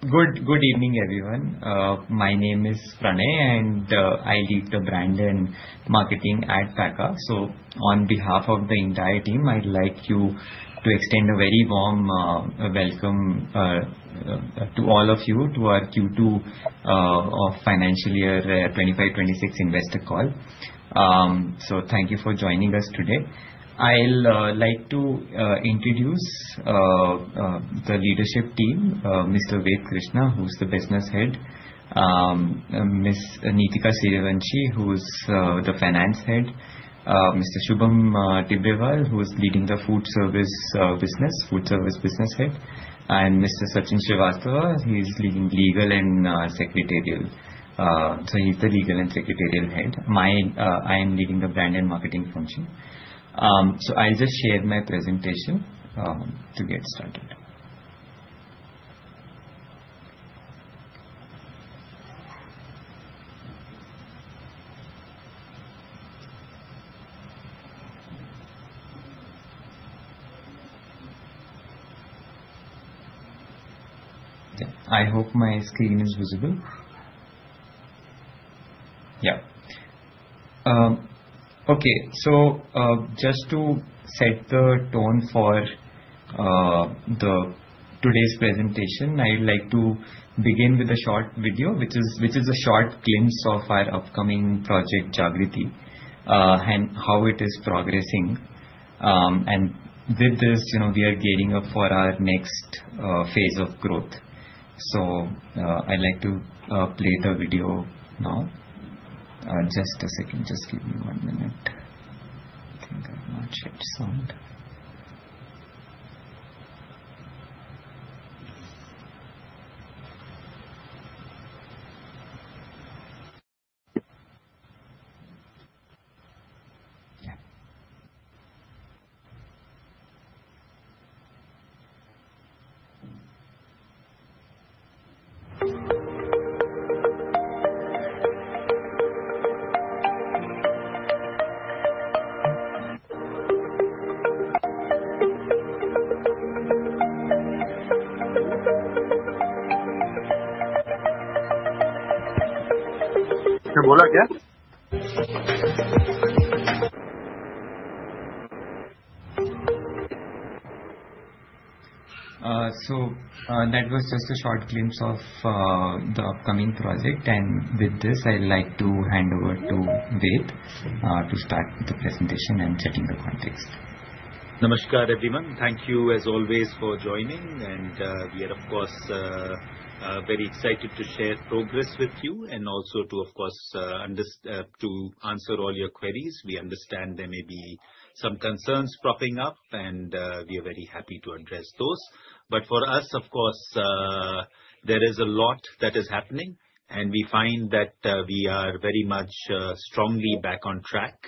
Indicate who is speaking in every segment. Speaker 1: Good evening, everyone. My name is Pranay, and I lead the Brand and Marketing at Pakka. On behalf of the entire team, I'd like you to extend a very warm welcome to all of you to our Q2 of financial year 2025-2026 investor call. Thank you for joining us today. I'll like to introduce the leadership team, Mr. Ved Krishna, who's the Business Head, Ms. Neetika Suryawanshi, who's the Finance Head, Mr. Shubham Tibrewal, who's leading the Food Service Business, Food Service Business Head, and Mr. Sachin Srivastava, he's leading Legal and Secretarial. He's the Legal and Secretarial Head. I am leading the Brand and Marketing function. I'll just share my presentation to get started. Okay, I hope my screen is visible. Yeah. Okay, so just to set the tone for today's presentation, I'd like to begin with a short video, which is a short glimpse of our upcoming Project Jagriti, and how it is progressing, and with this, you know, we are gearing up for our next phase of growth, so I'd like to play the video now. Just a second, just give me one minute. I think I've matched the sound. Yeah. That was just a short glimpse of the upcoming project. With this, I'd like to hand over to Ved to start the presentation and setting the context.
Speaker 2: Namaskar, everyone. Thank you, as always, for joining, and we are, of course, very excited to share progress with you and also to, of course, understand to answer all your queries. We understand there may be some concerns cropping up, and we are very happy to address those, but for us, of course, there is a lot that is happening, and we find that we are very much strongly back on track.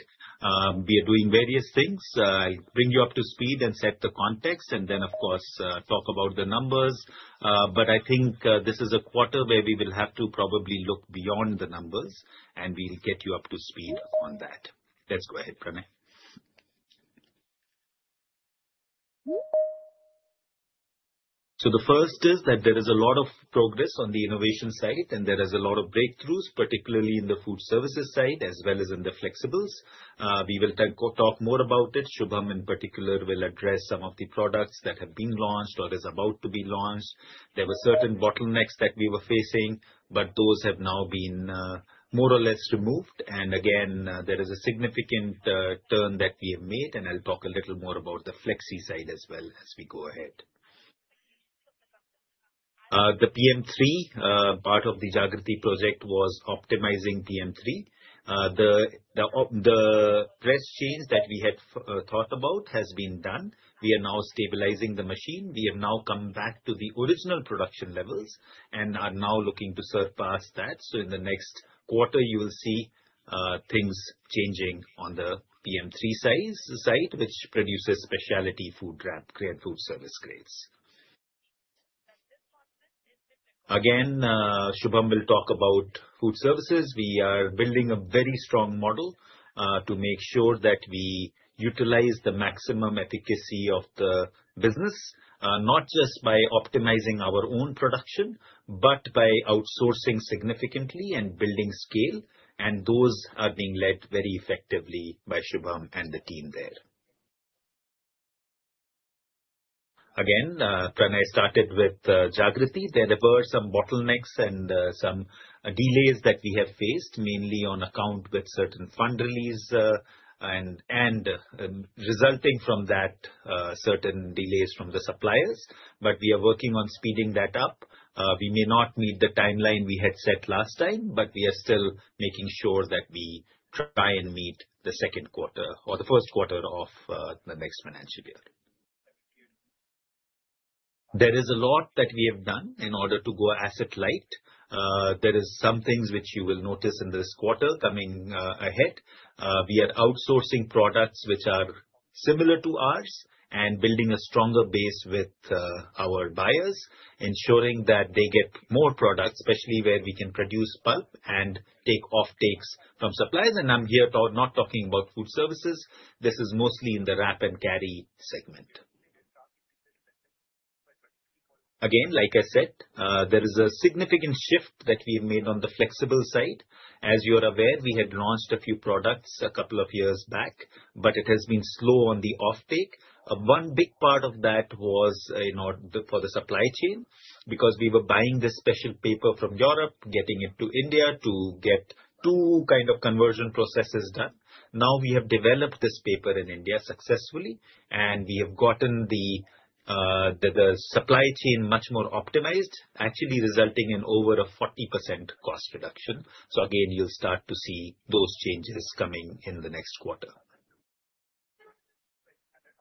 Speaker 2: We are doing various things. I'll bring you up to speed and set the context, and then, of course, talk about the numbers, but I think this is a quarter where we will have to probably look beyond the numbers, and we'll get you up to speed on that. Let's go ahead. So the first is that there is a lot of progress on the innovation side, and there is a lot of breakthroughs, particularly in the Food Services side, as well as in the Flexibles. We will talk more about it. Shubham, in particular, will address some of the products that have been launched or are about to be launched. There were certain bottlenecks that we were facing, but those have now been, more or less removed. And again, there is a significant, turn that we have made, and I'll talk a little more about the flexi side as well as we go ahead. The PM3, part of the Jagriti Project was optimizing PM3. The press change that we had thought about has been done. We are now stabilizing the machine. We have now come back to the original production levels and are now looking to surpass that. So in the next quarter, you will see things changing on the PM3 side, which produces specialty food-grade food service grades. Again, Shubham will talk about Food Services. We are building a very strong model to make sure that we utilize the maximum efficacy of the business, not just by optimizing our own production, but by outsourcing significantly and building scale. And those are being led very effectively by Shubham and the team there. Again, Pranay started with Jagriti. There were some bottlenecks and some delays that we have faced, mainly on account of certain fund release, and resulting from that, certain delays from the suppliers. But we are working on speeding that up. We may not meet the timeline we had set last time, but we are still making sure that we try and meet the second quarter or the first quarter of the next financial year. There is a lot that we have done in order to go asset-light. There are some things which you will notice in this quarter coming ahead. We are outsourcing products which are similar to ours and building a stronger base with our buyers, ensuring that they get more products, especially where we can produce pulp and take offtakes from suppliers. And I'm not talking about Food Services. This is mostly in the Wrap and Carry segment. Again, like I said, there is a significant shift that we have made on the flexible side. As you're aware, we had launched a few products a couple of years back, but it has been slow on the off take. One big part of that was, you know, for the supply chain, because we were buying this special paper from Europe, getting it to India to get two kind of conversion processes done. Now we have developed this paper in India successfully, and we have gotten the supply chain much more optimized, actually resulting in over 40% cost reduction. So again, you'll start to see those changes coming in the next quarter.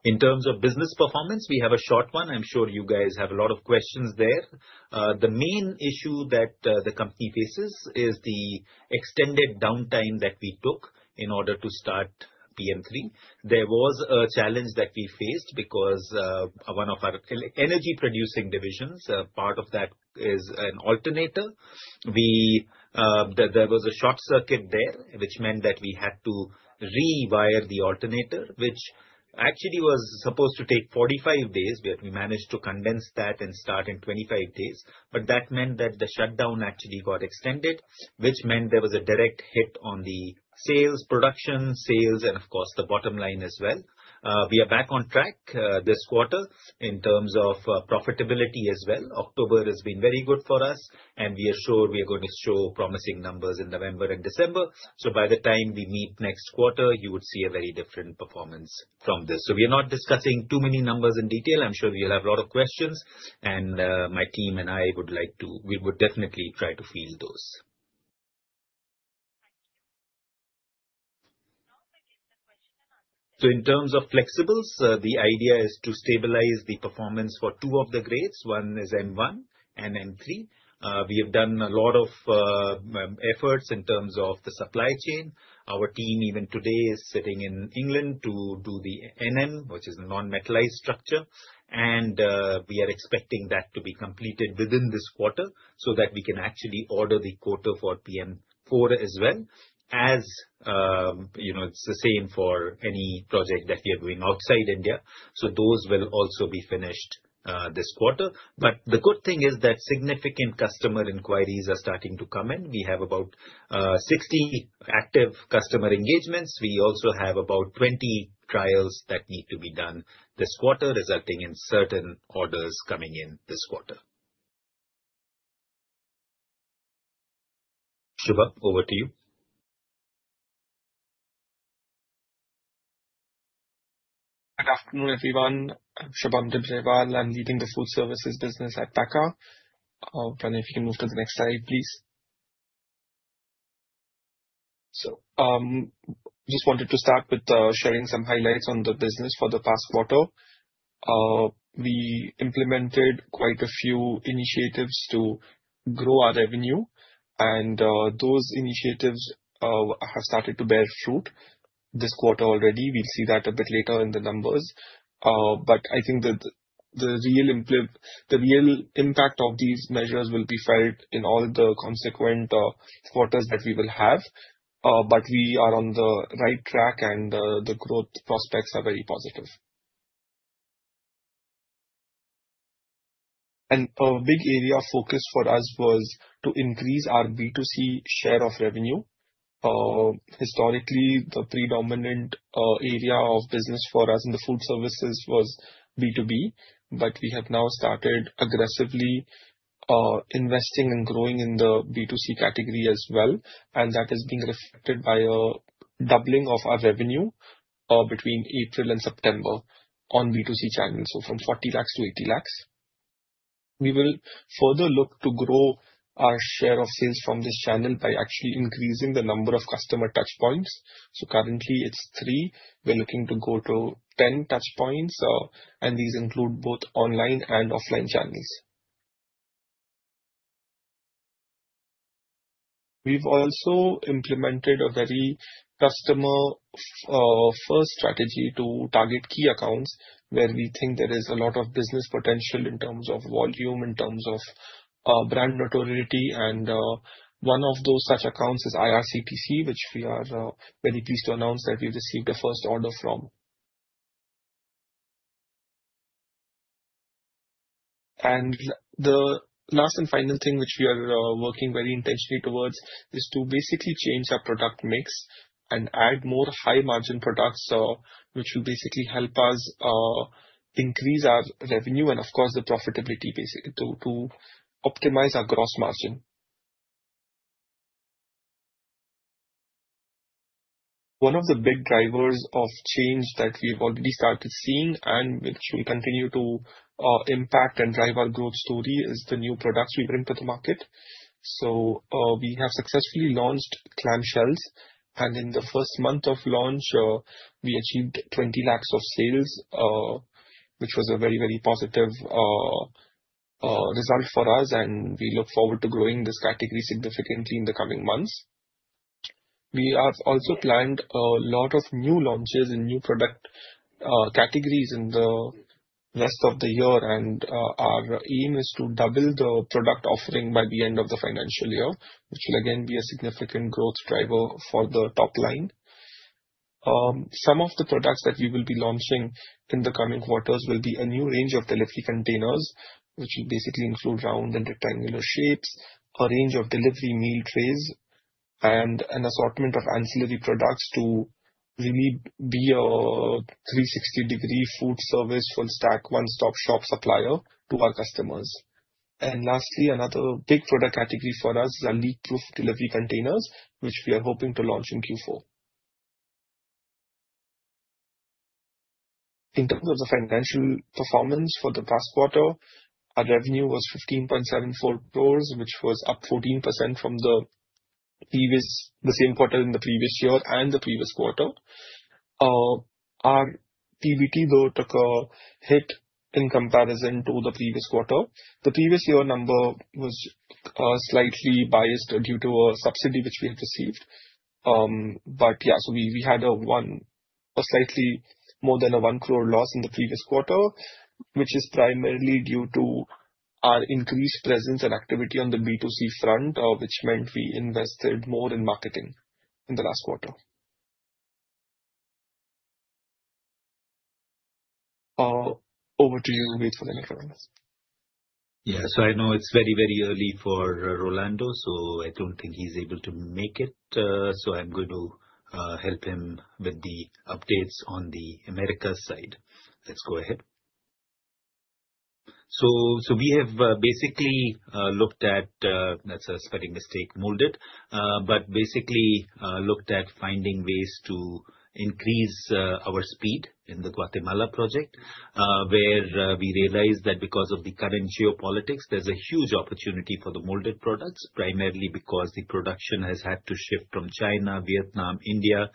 Speaker 2: In terms of business performance, we have a short one. I'm sure you guys have a lot of questions there. The main issue that the company faces is the extended downtime that we took in order to start PM3. There was a challenge that we faced because one of our energy producing divisions, part of that is an alternator. There was a short circuit there, which meant that we had to rewire the alternator, which actually was supposed to take 45 days, but we managed to condense that and start in 25 days. But that meant that the shutdown actually got extended, which meant there was a direct hit on the sales, production sales, and of course, the bottom line as well. We are back on track this quarter in terms of profitability as well. October has been very good for us, and we are sure we are going to show promising numbers in November and December. So by the time we meet next quarter, you would see a very different performance from this. So we are not discussing too many numbers in detail. I'm sure you'll have a lot of questions, and my team and I would like to, we would definitely try to field those. So in terms of Flexibles, the idea is to stabilize the performance for two of the grades, one is M1 and M3. We have done a lot of efforts in terms of the supply chain. Our team, even today, is sitting in England to do the NM, which is a non-metallized structure. We are expecting that to be completed within this quarter so that we can actually order the paper for PM4 as well. As you know, it's the same for any project that we are doing outside India. So those will also be finished this quarter. But the good thing is that significant customer inquiries are starting to come in. We have about 60 active customer engagements. We also have about 20 trials that need to be done this quarter, resulting in certain orders coming in this quarter. Shubham, over to you.
Speaker 3: Good afternoon, everyone. I'm Shubham Tibrewal. I'm leading the food service business at Pakka. Pranay, if you can move to the next slide, please. So, just wanted to start with sharing some highlights on the business for the past quarter. We implemented quite a few initiatives to grow our revenue, and those initiatives have started to bear fruit this quarter already. We'll see that a bit later in the numbers. I think that the real impact of these measures will be felt in all the subsequent quarters that we will have. We are on the right track, and the growth prospects are very positive. A big area of focus for us was to increase our B2C share of revenue. Historically, the predominant area of business for us in the Food Services was B2B, but we have now started aggressively investing and growing in the B2C category as well. And that is being reflected by a doubling of our revenue between April and September on B2C channels. So from 40 lakhs to 80 lakhs. We will further look to grow our share of sales from this channel by actually increasing the number of customer touchpoints. So currently, it's three. We're looking to go to 10 touchpoints, and these include both online and offline channels. We've also implemented a very customer first strategy to target key accounts where we think there is a lot of business potential in terms of volume, in terms of brand notoriety. And one of those such accounts is IRCTC, which we are very pleased to announce that we received a first order from. The last and final thing which we are working very intentionally towards is to basically change our product mix and add more high margin products, which will basically help us increase our revenue and, of course, the profitability basically to optimize our gross margin. One of the big drivers of change that we've already started seeing and which will continue to impact and drive our growth story is the new products we bring to the market. We have successfully launched clamshells. In the first month of launch, we achieved 20 lakhs of sales, which was a very, very positive result for us. We look forward to growing this category significantly in the coming months. We have also planned a lot of new launches and new product categories in the rest of the year. Our aim is to double the product offering by the end of the financial year, which will again be a significant growth driver for the top line. Some of the products that we will be launching in the coming quarters will be a new range of delivery containers, which will basically include round and rectangular shapes, a range of delivery meal trays, and an assortment of ancillary products to really be a 360-degree food service full-stack one-stop shop supplier to our customers. Lastly, another big product category for us is our leak-proof delivery containers, which we are hoping to launch in Q4. In terms of the financial performance for the past quarter, our revenue was 15.74 crores, which was up 14% from the previous, the same quarter in the previous year and the previous quarter. Our PBT, though, took a hit in comparison to the previous quarter. The previous year number was slightly biased due to a subsidy which we had received. But yeah, so we had a slightly more than one crore loss in the previous quarter, which is primarily due to our increased presence and activity on the B2C front, which meant we invested more in marketing in the last quarter. Over to you, Ved, for any comments.
Speaker 2: Yeah, so I know it's very, very early for Rolando, so I don't think he's able to make it. So I'm going to help him with the updates on the Americas side. Let's go ahead. So, so we have basically looked at. That's a spelling mistake, molded, but basically looked at finding ways to increase our speed in the Guatemala project, where we realized that because of the current geopolitics, there's a huge opportunity for the molded products, primarily because the production has had to shift from China, Vietnam, India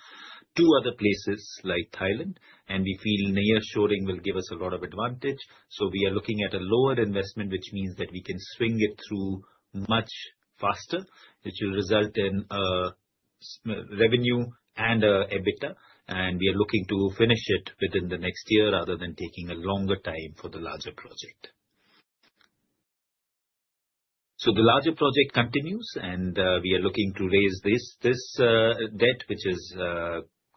Speaker 2: to other places like Thailand. And we feel nearshoring will give us a lot of advantage. So we are looking at a lower investment, which means that we can swing it through much faster, which will result in a revenue and an EBITDA. We are looking to finish it within the next year rather than taking a longer time for the larger project. The larger project continues, and we are looking to raise this debt, which is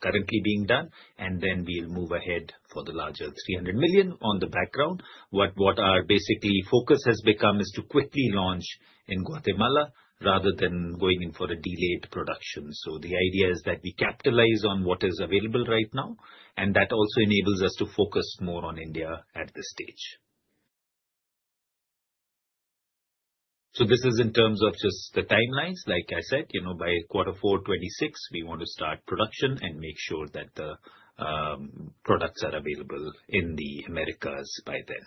Speaker 2: currently being done. Then we'll move ahead for the larger 300 million in the background. What our basically focus has become is to quickly launch in Guatemala rather than going in for a delayed production. The idea is that we capitalize on what is available right now, and that also enables us to focus more on India at this stage. This is in terms of just the timelines. Like I said, you know, by quarter four, 2026, we want to start production and make sure that the products are available in the Americas by then.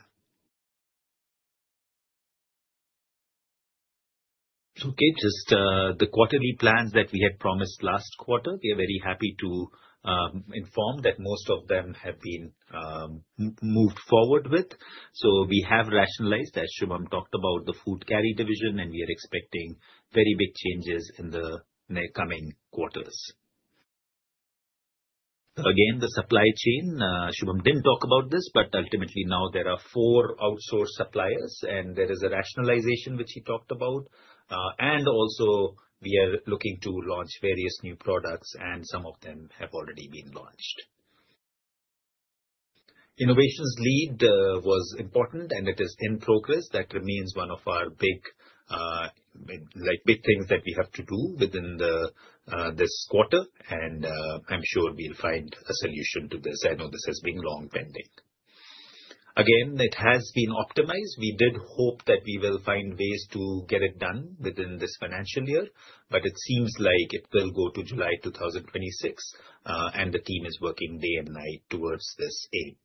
Speaker 2: Okay, just the quarterly plans that we had promised last quarter, we are very happy to inform that most of them have been moved forward with. So we have rationalized, as Shubham talked about, the Food Service Division, and we are expecting very big changes in the next coming quarters. Again, the supply chain, Shubham didn't talk about this, but ultimately now there are four outsourced suppliers, and there is a rationalization which he talked about. And also we are looking to launch various new products, and some of them have already been launched. Innovations Lead was important, and it is in progress. That remains one of our big, like big things that we have to do within this quarter. And I'm sure we'll find a solution to this. I know this has been long pending. Again, it has been optimized. We did hope that we will find ways to get it done within this financial year, but it seems like it will go to July 2026, and the team is working day and night towards this aim.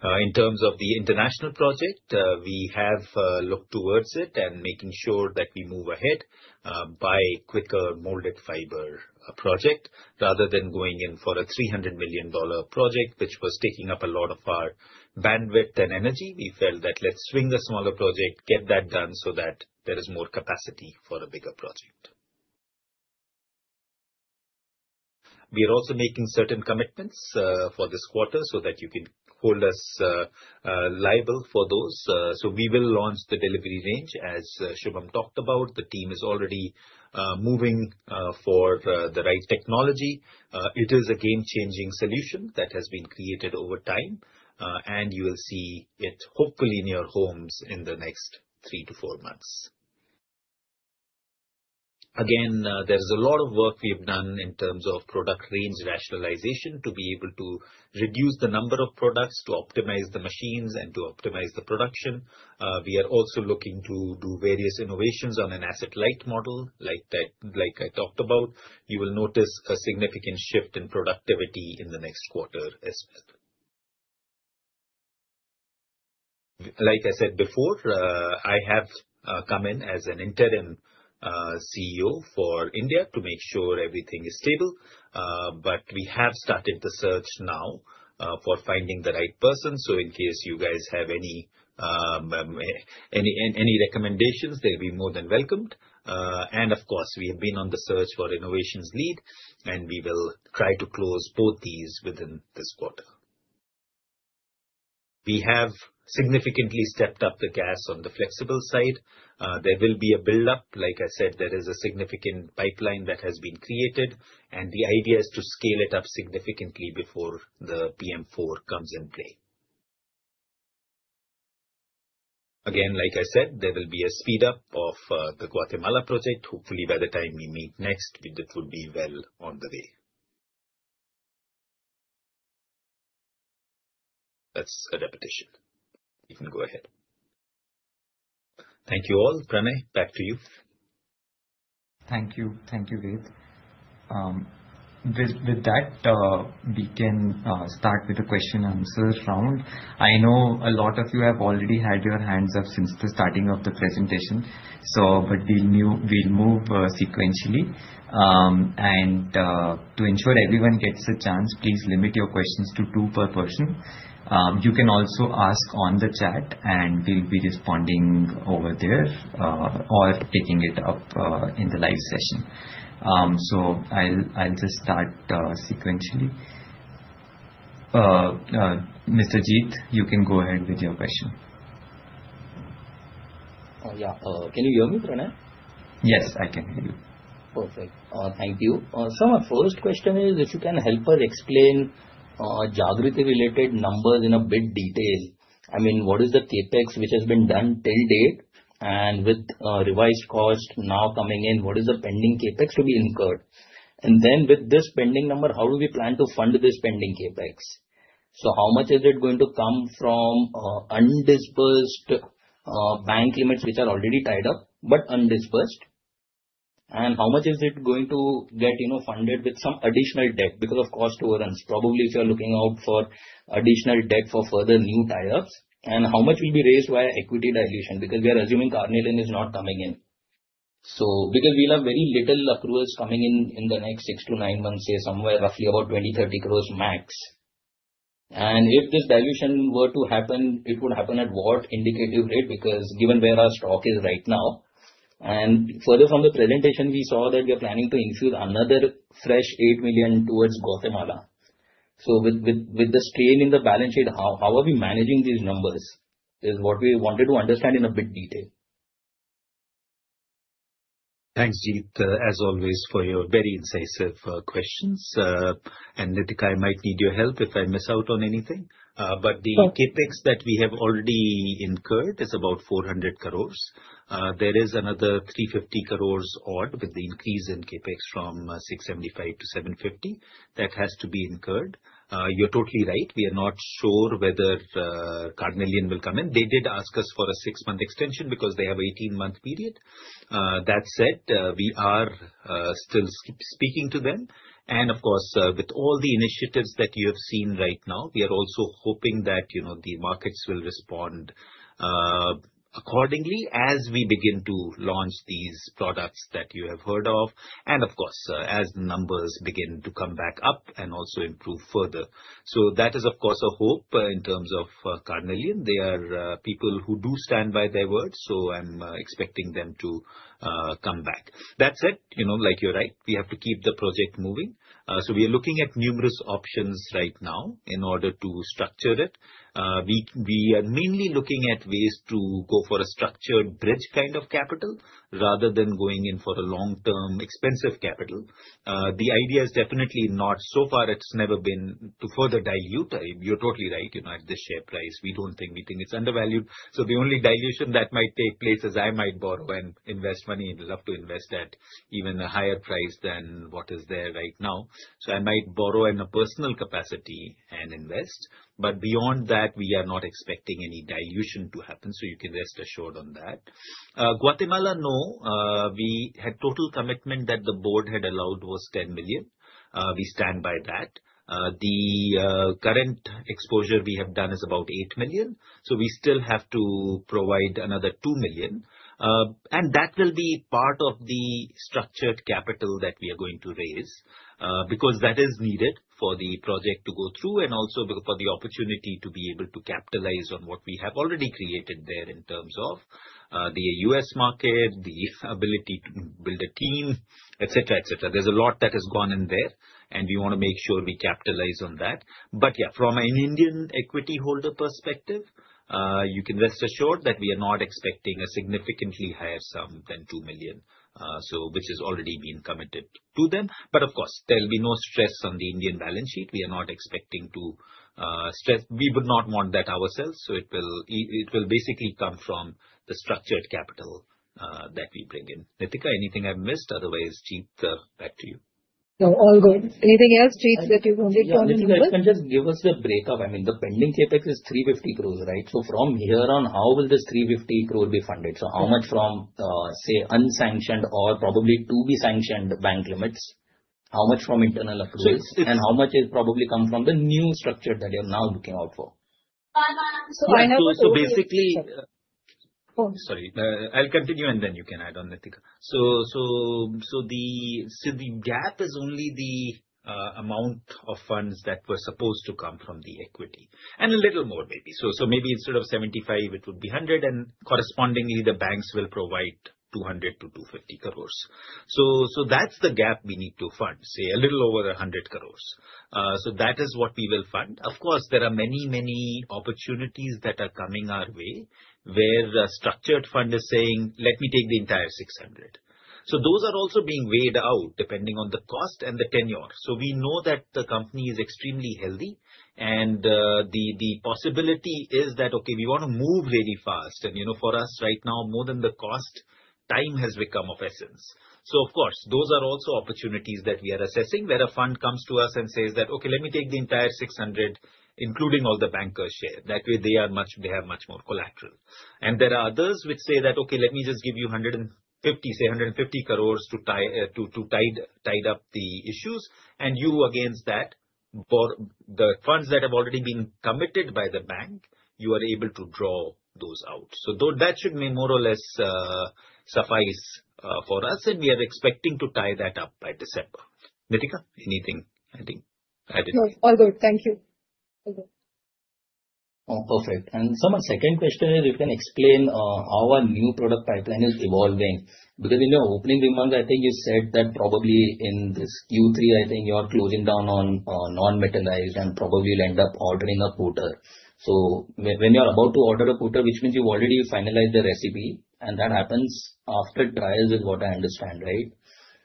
Speaker 2: In terms of the international project, we have looked towards it and making sure that we move ahead by quicker molded fiber project rather than going in for a $300 million project, which was taking up a lot of our bandwidth and energy. We felt that let's swing the smaller project, get that done so that there is more capacity for a bigger project. We are also making certain commitments for this quarter so that you can hold us liable for those, so we will launch the delivery range, as Shubham talked about. The team is already moving for the right technology. It is a game-changing solution that has been created over time, and you will see it hopefully in your homes in the next three to four months. Again, there's a lot of work we have done in terms of product range rationalization to be able to reduce the number of products, to optimize the machines, and to optimize the production. We are also looking to do various innovations on an asset-light model like that, like I talked about. You will notice a significant shift in productivity in the next quarter as well. Like I said before, I have come in as an interim CEO for India to make sure everything is stable. We have started the search now for finding the right person. In case you guys have any recommendations, they'll be more than welcomed. And of course, we have been on the search for Innovations Lead, and we will try to close both these within this quarter. We have significantly stepped up the gas on the flexible side. There will be a buildup. Like I said, there is a significant pipeline that has been created, and the idea is to scale it up significantly before the PM4 comes in play. Again, like I said, there will be a speed up of the Guatemala project. Hopefully, by the time we meet next, it would be well on the way. That's a repetition. You can go ahead. Thank you all. Pranay, back to you. Thank you.
Speaker 1: Thank you, Ved. With that, we can start with a question-and-answer round. I know a lot of you have already had your hands up since the start of the presentation. So, but we'll move sequentially. And to ensure everyone gets a chance, please limit your questions to two per person. You can also ask on the chat, and we'll be responding over there, or taking it up in the live session. So I'll just start sequentially. You can go ahead with your question. Oh, yeah. Can you hear me, Pranay? Yes, I can hear you. Perfect. Thank you so much. First question is, if you can help us explain Jagriti-related numbers in a bit detail. I mean, what is the CapEx which has been done till date and with revised cost now coming in? What is the pending CapEx to be incurred? And then with this pending number, how do we plan to fund this pending CapEx? So how much is it going to come from undisbursed bank limits which are already tied up but undisbursed? And how much is it going to get, you know, funded with some additional debt because of cost overruns? Probably if you're looking out for additional debt for further new tie-ups. And how much will be raised via equity dilution? Because we are assuming Carnelian is not coming in. So, because we'll have very little accruals coming in in the next six to nine months, say somewhere roughly about 20 crores-30 crores max. And if this dilution were to happen, it would happen at what indicative rate? Because given where our stock is right now, and further from the presentation, we saw that we are planning to infuse another fresh $8 million towards Guatemala. So with the strain in the balance sheet, how are we managing these numbers is what we wanted to understand in a bit of detail.
Speaker 2: Thanks, as always, for your very incisive questions. And Neetika, I might need your help if I miss out on anything. But the CapEx that we have already incurred is about 400 crores. There is another 350 crores odd with the increase in CapEx from 675 to 750 that has to be incurred. You're totally right. We are not sure whether Carnelian will come in. They did ask us for a six-month extension because they have an 18-month period. That said, we are still speaking to them. And of course, with all the initiatives that you have seen right now, we are also hoping that, you know, the markets will respond accordingly as we begin to launch these products that you have heard of. And of course, as the numbers begin to come back up and also improve further. So that is, of course, a hope in terms of Carnelian. They are people who do stand by their word. So I'm expecting them to come back. That said, you know, like you're right, we have to keep the project moving. So we are looking at numerous options right now in order to structure it. We are mainly looking at ways to go for a structured bridge kind of capital rather than going in for a long-term expensive capital. The idea is definitely not so far; it's never been to further dilute. You're totally right. You know, at this share price, we don't think; we think it's undervalued. So the only dilution that might take place is I might borrow and invest money and love to invest at even a higher price than what is there right now. So I might borrow in a personal capacity and invest. But beyond that, we are not expecting any dilution to happen. So you can rest assured on that. Guatemala, no. We had total commitment that the board had allowed was $10 million. We stand by that. The current exposure we have done is about $8 million. So we still have to provide another $2 million. And that will be part of the structured capital that we are going to raise, because that is needed for the project to go through and also for the opportunity to be able to capitalize on what we have already created there in terms of the U.S. market, the ability to build a team, et cetera, et cetera. There's a lot that has gone in there, and we want to make sure we capitalize on that. But yeah, from an Indian equity holder perspective, you can rest assured that we are not expecting a significantly higher sum than two million, which has already been committed to them. But of course, there'll be no stress on the Indian balance sheet. We are not expecting to stress. We would not want that ourselves. So it will basically come from the structured capital that we bring in. Neetika, anything I've missed? Otherwise, Jeet, back to you.
Speaker 4: No, all good. Anything else, Jeet, that you wanted to add? No, no, no. If you can just give us the breakup. I mean, the pending Capex is 350 crores, right? So from here on, how will this 350 crores be funded? So how much from, say, unsanctioned or probably to be sanctioned bank limits? How much from internal accruals? And how much is probably coming from the new structure that you're now looking out for? So basically, sorry,
Speaker 2: I'll continue and then you can add on, Neetika. The gap is only the amount of funds that were supposed to come from the equity and a little more maybe. Maybe instead of 75, it would be 100. And correspondingly, the banks will provide 200 crores-250 crores. That's the gap we need to fund, say a little over 100 crores. That is what we will fund. Of course, there are many, many opportunities that are coming our way where a structured fund is saying, let me take the entire 600. Those are also being weighed out depending on the cost and the tenure. We know that the company is extremely healthy and the possibility is that, okay, we want to move really fast. You know, for us right now, more than the cost, time has become of essence. So of course, those are also opportunities that we are assessing where a fund comes to us and says that, okay, let me take the entire 600, including all the banker's share. That way they are much, they have much more collateral. And there are others which say that, okay, let me just give you 150, say 150 crores to tide over the issues. And you, against that, for the funds that have already been committed by the bank, you are able to draw those out. So though that should more or less suffice for us. And we are expecting to tie that up by December. Neetika, anything I think added?
Speaker 4: No, all good. Thank you. All good. Oh, perfect. And so my second question is, if you can explain how our new product pipeline is evolving. Because in your opening remarks, I think you said that probably in this Q3, I think you are closing in on non-metallized and probably you'll end up ordering a coater. So when you're about to order a coater, which means you've already finalized the recipe, and that happens after trials, is what I understand, right?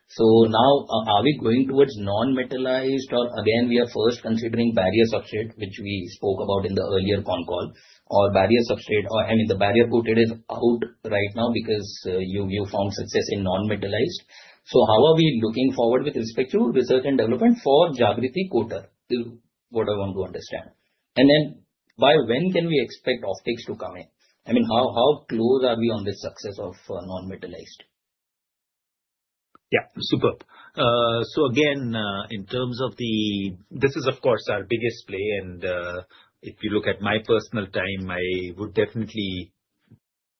Speaker 4: So now, are we going towards non-metallized or again, we are first considering barrier substrate, which we spoke about in the earlier phone call, or barrier substrate, or I mean, the barrier coater is out right now because you found success in non-metallized. So how are we looking forward with respect to research and development for Jagriti coater is what I want to understand. And then by when can we expect optics to come in? I mean, how close are we on this success of non-metallized?
Speaker 2: Yeah, superb. So again, in terms of the this is of course our biggest play. And if you look at my personal time, I would definitely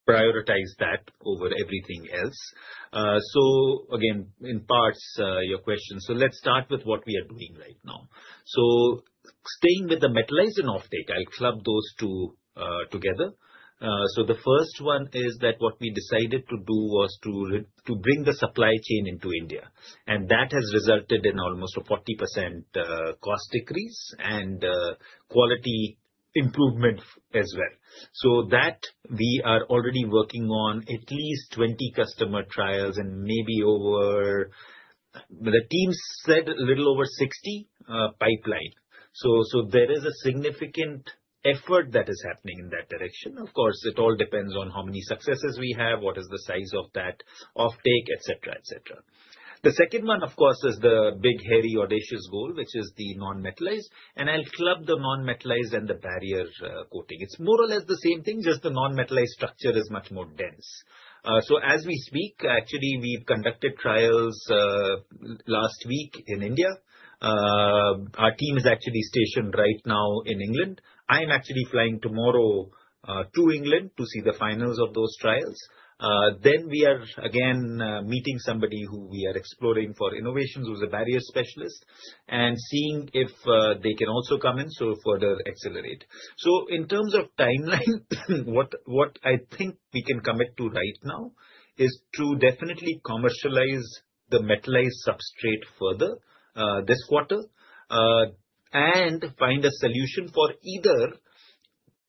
Speaker 2: prioritize that over everything else. So again, in parts your question. So let's start with what we are doing right now. So staying with the metallized and offtake, I'll club those two together. So the first one is that what we decided to do was to bring the supply chain into India. And that has resulted in almost a 40% cost decrease and quality improvement as well. So that we are already working on at least 20 customer trials and maybe over the team said a little over 60 pipeline. So there is a significant effort that is happening in that direction. Of course, it all depends on how many successes we have, what is the size of that offtake, et cetera, et cetera. The second one, of course, is the big, hairy, audacious goal, which is the non-metallized. I'll club the non-metallized and the barrier coating. It's more or less the same thing, just the non-metallized structure is much more dense. So as we speak, actually, we've conducted trials last week in India. Our team is actually stationed right now in England. I'm actually flying tomorrow to England to see the finals of those trials. Then we are again meeting somebody who we are exploring for innovations, who's a barrier specialist, and seeing if they can also come in so further accelerate. So in terms of timeline, what I think we can commit to right now is to definitely commercialize the metallized substrate further this quarter, and find a solution for either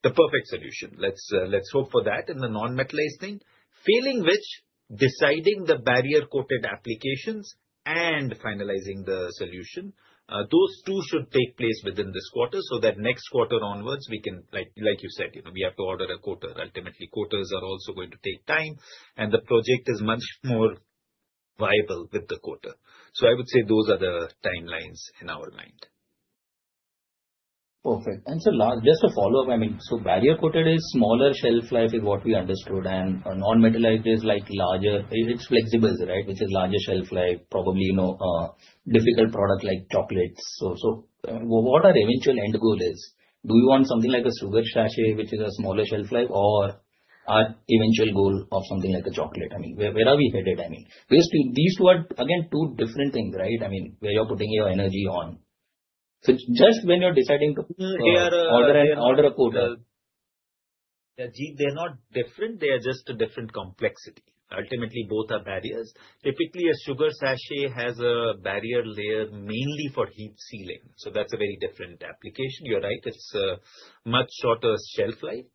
Speaker 2: the perfect solution. Let's hope for that in the non-metallized thing, failing which deciding the barrier-coated applications and finalizing the solution. Those two should take place within this quarter so that next quarter onwards we can, like you said, you know, we have to order a coater. Ultimately, coaters are also going to take time and the project is much more viable with the coater. So I would say those are the timelines in our mind. Perfect, and so last, just to follow up, I mean, so barrier-coated is smaller shelf life is what we understood and non-metallized is like larger, it's flexible, right? Which is larger shelf life, probably, you know, difficult product like chocolates. So what our eventual end goal is, do we want something like a sugar sachet, which is a smaller shelf life, or our eventual goal of something like a chocolate? I mean, where, where are we headed? I mean, basically these two are again, two different things, right? I mean, where you're putting your energy on. So just when you're deciding to order a quarter. Yeah, they're not different. They're just a different complexity. Ultimately, both are barriers. Typically, a sugar sachet has a barrier layer mainly for heat sealing. So that's a very different application. You're right. It's a much shorter shelf life.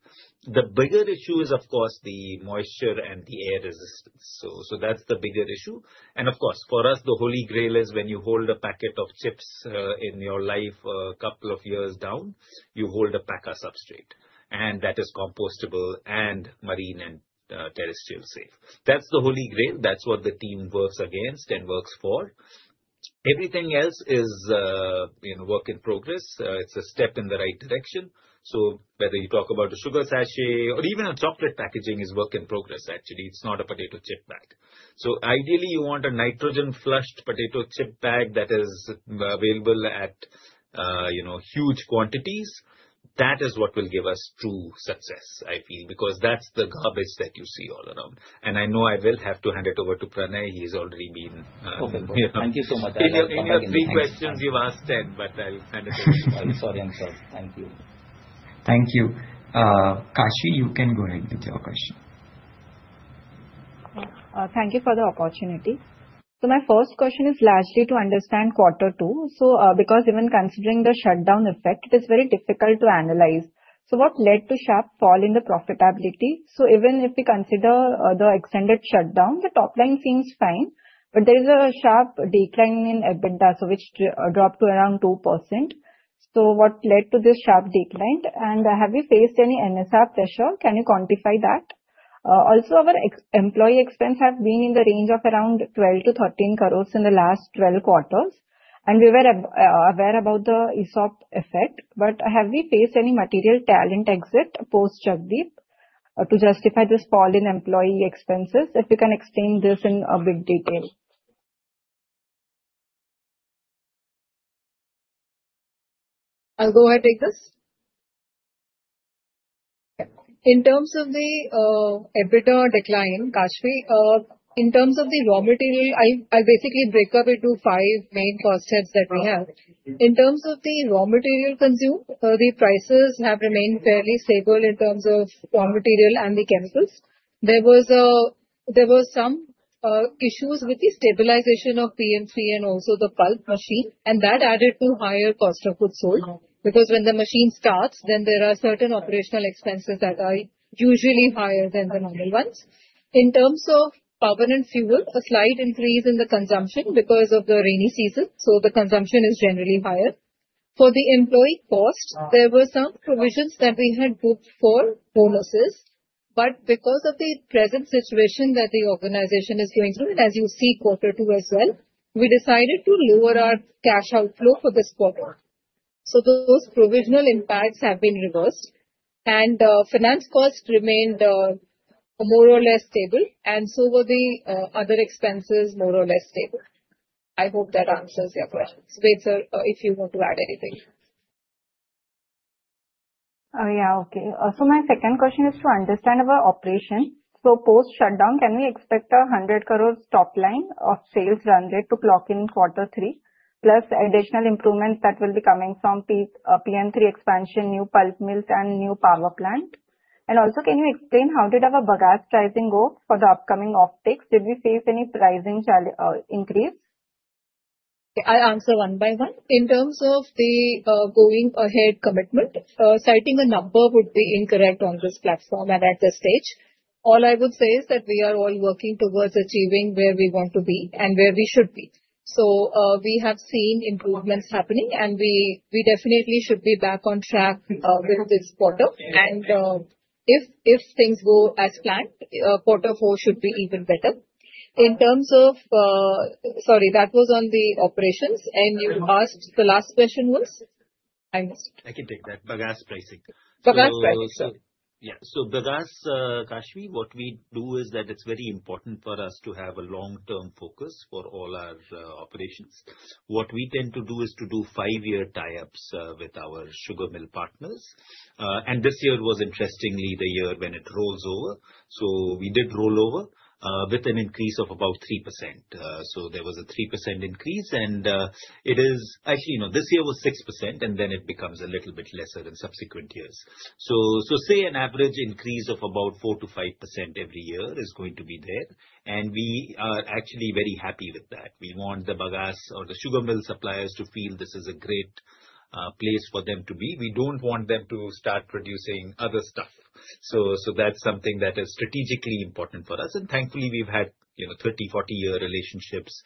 Speaker 2: The bigger issue is, of course, the moisture and the air resistance. So that's the bigger issue. And of course, for us, the holy grail is when you hold a packet of chips, in your life, a couple of years down, you hold a paper substrate and that is compostable and marine- and terrestrial-safe. That's the holy grail. That's what the team works against and works for. Everything else is, you know, work in progress. It's a step in the right direction. So whether you talk about a sugar sachet or even a chocolate packaging is work in progress, actually. It's not a potato chip bag. Ideally, you want a nitrogen flushed potato chip bag that is available at, you know, huge quantities. That is what will give us true success, I feel, because that's the garbage that you see all around. I know I will have to hand it over to Pranay. He's already been,
Speaker 1: Thank you so much.
Speaker 2: In your three questions you've asked 10, but I'll hand it over to you. I'm sorry, I'm sorry. Thank you.
Speaker 1: Thank you. Kashi, you can go ahead with your question. Thank you for the opportunity. My first question is largely to understand quarter two. Because even considering the shutdown effect, it is very difficult to analyze. What led to sharp fall in the profitability? Even if we consider the extended shutdown, the top line seems fine, but there is a sharp decline in EBITDA, which dropped to around 2%. What led to this sharp decline? And have we faced any NSR pressure? Can you quantify that? Also, our employee expenses have been in the range of around 12-13 crores in the last 12 quarters. And we were aware about the ESOP effect, but have we faced any material talent exit post Jagdeep to justify this fall in employee expenses? If you can explain this in a bit detail.
Speaker 4: I'll go ahead and take this. Yeah, in terms of the EBITDA decline, Kashi, in terms of the raw material, I'll basically break up into five main concepts that we have. In terms of the raw material consumed, the prices have remained fairly stable in terms of raw material and the chemicals. There were some issues with the stabilization of PM3 and also the pulp machine, and that added to higher cost of goods sold. Because when the machine starts, then there are certain operational expenses that are usually higher than the normal ones. In terms of carbon and fuel, a slight increase in the consumption because of the rainy season, so the consumption is generally higher. For the employee cost, there were some provisions that we had booked for bonuses, but because of the present situation that the organization is going through, and as you see quarter two as well, we decided to lower our cash outflow for this quarter. So those provisional impacts have been reversed, and finance costs remained, more or less stable. And so were the other expenses more or less stable. I hope that answers your questions. Ved, sir, if you want to add anything. Oh yeah, okay. So my second question is to understand our operation. So post shutdown, can we expect a 100 crore top line of sales run rate to clock in quarter three, plus additional improvements that will be coming from PM3 expansion, new pulp mills, and new power plant? And also, can you explain how did our bagasse pricing go for the upcoming offtakes? Did we face any pricing increase? I'll answer one by one. In terms of the going ahead commitment, citing a number would be incorrect on this platform at this stage. All I would say is that we are all working towards achieving where we want to be and where we should be. So, we have seen improvements happening, and we definitely should be back on track with this quarter. And, if things go as planned, quarter four should be even better. In terms of, sorry, that was on the operations, and you asked the last question was, I missed it.
Speaker 2: I can take that. Bagasse pricing.
Speaker 4: Bagasse pricing, sorry.
Speaker 2: Yeah. So bagasse, Kashi, what we do is that it's very important for us to have a long-term focus for all our operations. What we tend to do is to do five-year tie-ups with our sugar mill partners, and this year was interestingly the year when it rolls over. So we did roll over with an increase of about 3%. There was a 3% increase, and it is actually, you know, this year was 6%, and then it becomes a little bit lesser in subsequent years. Say an average increase of about 4%-5% every year is going to be there. And we are actually very happy with that. We want the bagasse or the sugar mill suppliers to feel this is a great place for them to be. We don't want them to start producing other stuff. So that's something that is strategically important for us. And thankfully, we've had you know 30-year to 40-year relationships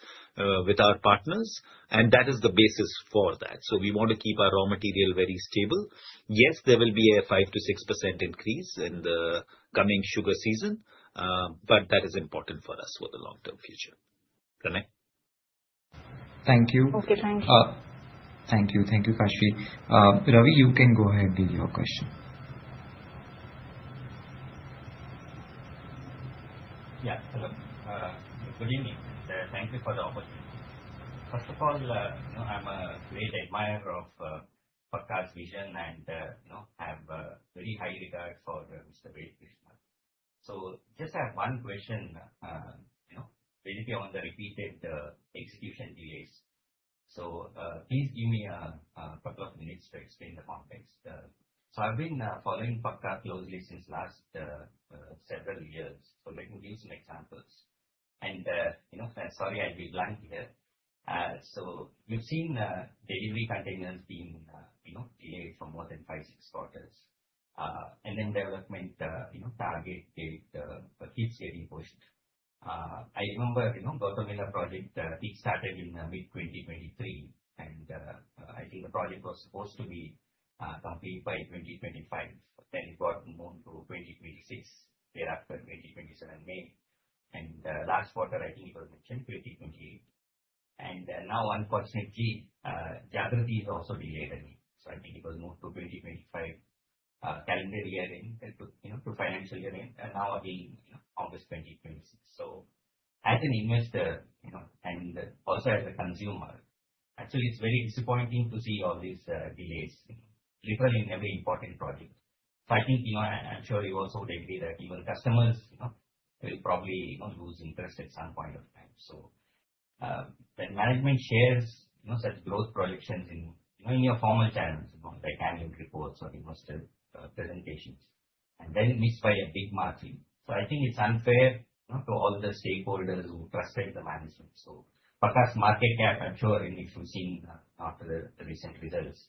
Speaker 2: with our partners, and that is the basis for that. So we want to keep our raw material very stable. Yes, there will be a 5%-6% increase in the coming sugar season, but that is important for us for the long-term future. Pranay?
Speaker 1: Thank you. Okay, thank you. Thank you. Thank you, Kashi. Ravi, you can go ahead with your question. Yeah, hello. Good evening. Thank you for the opportunity. First of all, you know, I'm a great admirer of Pakka's vision and, you know, have very high regard for Mr. Ved Krishna. So just I have one question, you know, basically on the repeated execution delays. Please give me a couple of minutes to explain the context. I've been following Pakka closely for the last several years. Let me give you some examples, and you know, sorry, I'll be blunt here. We've seen delivery containers being, you know, delayed for more than five, six quarters, and then development target date keeps getting pushed. I remember, you know, Project Jagriti. It started in mid-2023, and I think the project was supposed to be complete by 2025, but then it got moved to 2026, thereafter 2027 May. Last quarter, I think it was mentioned 2028. And now, unfortunately, Jagriti is also delayed again. So I think it was moved to 2025, calendar year end, you know, to financial year end, and now again, you know, August 2026. So as an investor, you know, and also as a consumer, actually, it's very disappointing to see all these delays, you know, literally in every important project. So I think, you know, I'm sure you also would agree that even customers, you know, will probably, you know, lose interest at some point of time. So, when management shares, you know, such growth projections in, you know, in your formal terms, you know, like annual reports or investor presentations, and then missed by a big margin. So I think it's unfair, you know, to all the stakeholders who trusted the management. So Pakka's market cap, I'm sure, and if you've seen after the recent results,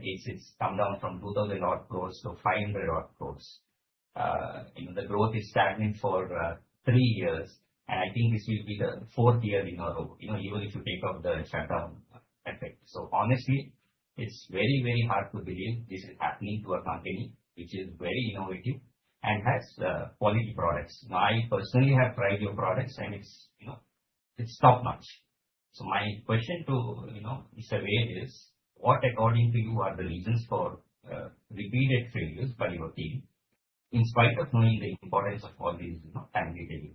Speaker 1: it's come down from 2,000-odd crores to 500-odd crores. You know, the growth is stagnant for three years, and I think this will be the fourth year in a row, you know, even if you take off the shutdown effect. So honestly, it's very, very hard to believe this is happening to a company which is very innovative and has quality products. You know, I personally have tried your products, and it's, you know, it's top-notch. So my question to you know, Mr. Ved Krishna is, what according to you are the reasons for repeated failures by your team, in spite of knowing the importance of all these, you know, time delays,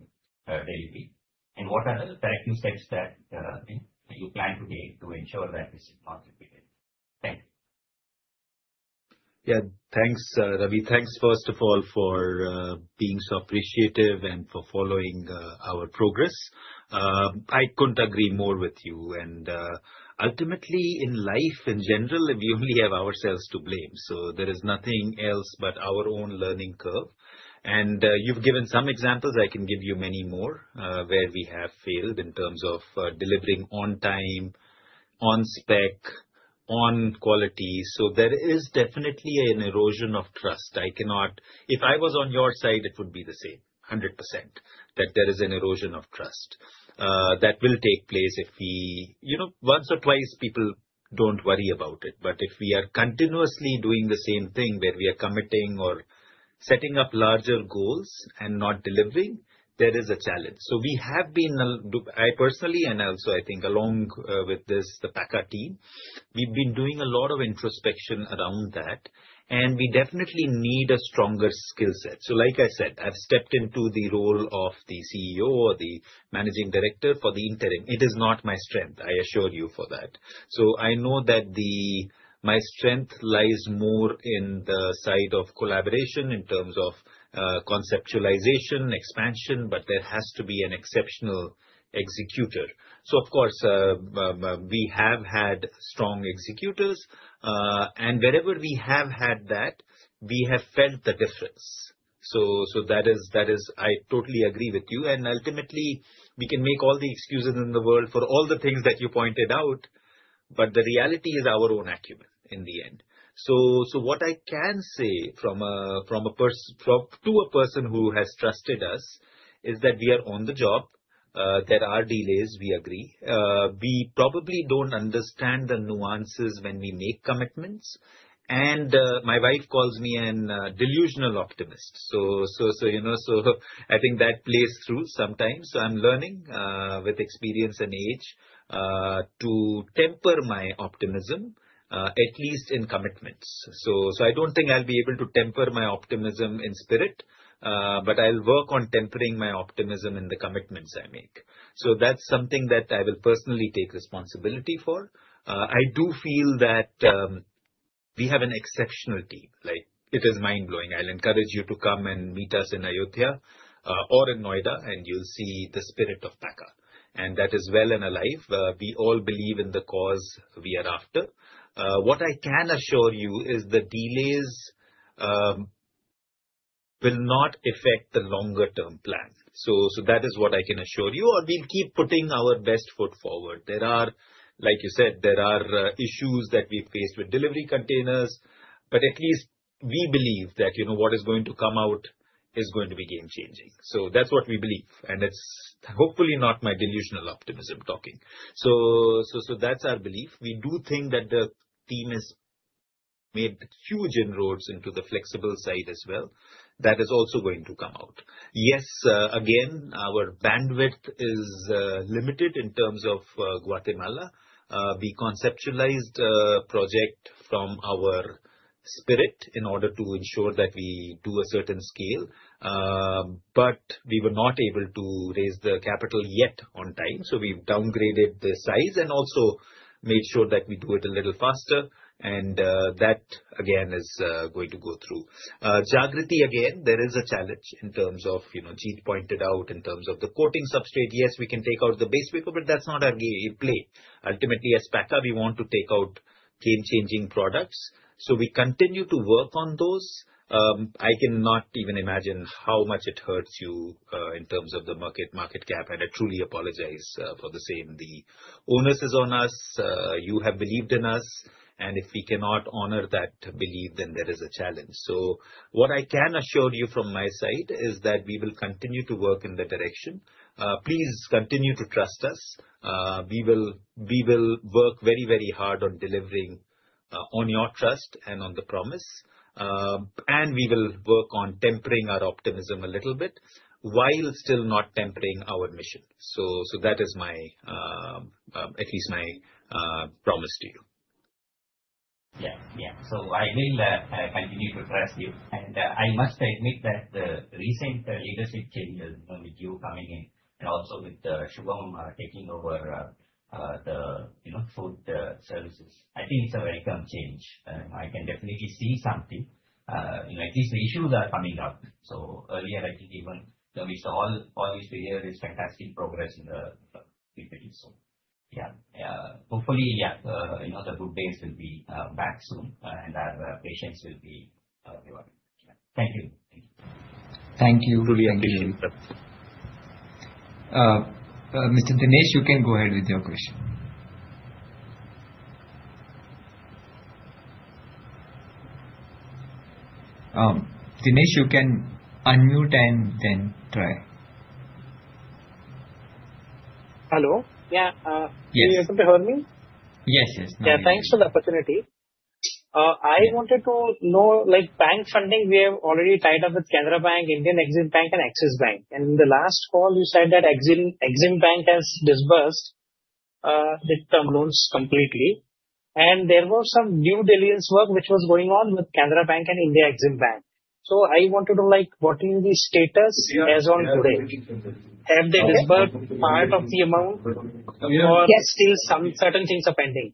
Speaker 1: and what are the corrective steps that you plan to take to ensure that this is not repeated? Thank you.
Speaker 2: Yeah, thanks, Ravi. Thanks first of all for being so appreciative and for following our progress. I couldn't agree more with you. And ultimately in life in general, we only have ourselves to blame. So there is nothing else but our own learning curve. And you've given some examples. I can give you many more, where we have failed in terms of delivering on time, on spec, on quality. So there is definitely an erosion of trust. I cannot, if I was on your side, it would be the same, 100%, that there is an erosion of trust that will take place if we, you know, once or twice people don't worry about it. But if we are continuously doing the same thing where we are committing or setting up larger goals and not delivering, there is a challenge. We have been, I personally, and also I think along with this, the Pakka team, we've been doing a lot of introspection around that, and we definitely need a stronger skill set. Like I said, I've stepped into the role of the CEO or the Managing Director for the interim. It is not my strength, I assure you for that. I know that my strength lies more in the side of collaboration in terms of conceptualization, expansion, but there has to be an exceptional executor. Of course, we have had strong executors, and wherever we have had that, we have felt the difference. That is, I totally agree with you. Ultimately, we can make all the excuses in the world for all the things that you pointed out, but the reality is our own acumen in the end. So what I can say from a person to a person who has trusted us is that we are on the job. There are delays, we agree. We probably don't understand the nuances when we make commitments. My wife calls me a delusional optimist. You know, I think that plays through sometimes. I'm learning, with experience and age, to temper my optimism, at least in commitments. I don't think I'll be able to temper my optimism in spirit, but I'll work on tempering my optimism in the commitments I make. That's something that I will personally take responsibility for. I do feel that we have an exceptional team. Like, it is mind-blowing. I'll encourage you to come and meet us in Ayodhya, or in Noida, and you'll see the spirit of Pakka. And that is well and alive. We all believe in the cause we are after. What I can assure you is the delays will not affect the longer-term plan. So that is what I can assure you, or we'll keep putting our best foot forward. There are, like you said, there are issues that we've faced with delivery containers, but at least we believe that, you know, what is going to come out is going to be game-changing. So that's what we believe. And it's hopefully not my delusional optimism talking. So that's our belief. We do think that the team has made huge inroads into the flexible side as well. That is also going to come out. Yes, again, our bandwidth is limited in terms of Guatemala. We conceptualized Project Jagriti from our spirit in order to ensure that we do a certain scale. But we were not able to raise the capital yet on time. So we've downgraded the size and also made sure that we do it a little faster. And that again is going to go through. Jagriti again, there is a challenge in terms of, you know, Jeet pointed out in terms of the coating substrate. Yes, we can take out the base paper, but that's not our game play. Ultimately, as Pakka, we want to take out game-changing products. So we continue to work on those. I cannot even imagine how much it hurts you, in terms of the market, market cap. And I truly apologize for the same. The onus is on us. You have believed in us. And if we cannot honor that belief, then there is a challenge. So what I can assure you from my side is that we will continue to work in the direction. Please continue to trust us. We will, we will work very, very hard on delivering, on your trust and on the promise. And we will work on tempering our optimism a little bit while still not tempering our mission. So, so that is my, at least my, promise to you. Yeah, yeah. So I will continue to trust you. And I must admit that the recent leadership changes, you know, with you coming in and also with Shubham taking over the, you know, Food Services. I think it's a very big change. You know, I can definitely see something, you know, at least the issues are coming up. So earlier, I think even the mix of all these two years is fantastic progress in the community. So yeah, hopefully, yeah, you know, the good days will be back soon, and our patience will be rewarded. Yeah, thank you. Thank you.
Speaker 1: Thank you. Truly appreciate it. Mr. Dinesh, you can go ahead with your question. Dinesh, you can unmute and then try. Hello. Yeah. Yes. Can you hear me? Yes, yes. Yeah. Thanks for the opportunity. I wanted to know, like bank funding, we have already tied up with Canara Bank, India EXIM Bank, and Axis Bank. And in the last call, you said that EXIM, EXIM Bank has disbursed the term loans completely. And there was some due diligence work which was going on with Canara Bank and India EXIM Bank. So I wanted to know, like, what is the status as on today? Have they disbursed part of the amount, or still some certain things are pending?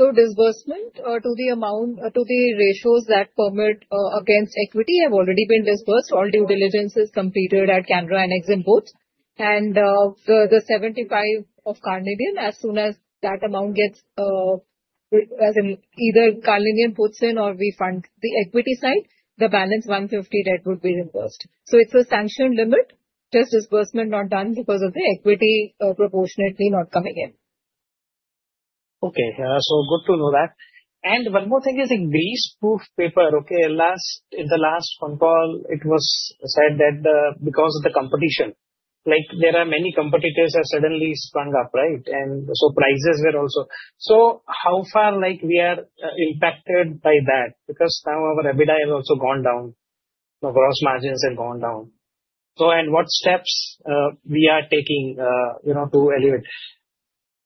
Speaker 4: So, disbursement to the amount to the ratios that permit against equity have already been disbursed. All due diligence is completed at Canara and EXIM both. And the 75 of Carnelian, as soon as that amount gets in either Carnelian puts in or we fund the equity side, the balance 150 debt would be reimbursed. So it's a sanctioned limit. Just disbursement not done because of the equity proportionately not coming in. Okay. So good to know that. And one more thing is in greaseproof paper, okay. Last, in the last phone call, it was said that, because of the competition, like there are many competitors have suddenly sprung up, right? And so prices were also. So how far, like, we are impacted by that? Because now our EBITDA has also gone down. The gross margins have gone down. So, and what steps we are taking, you know, to alleviate?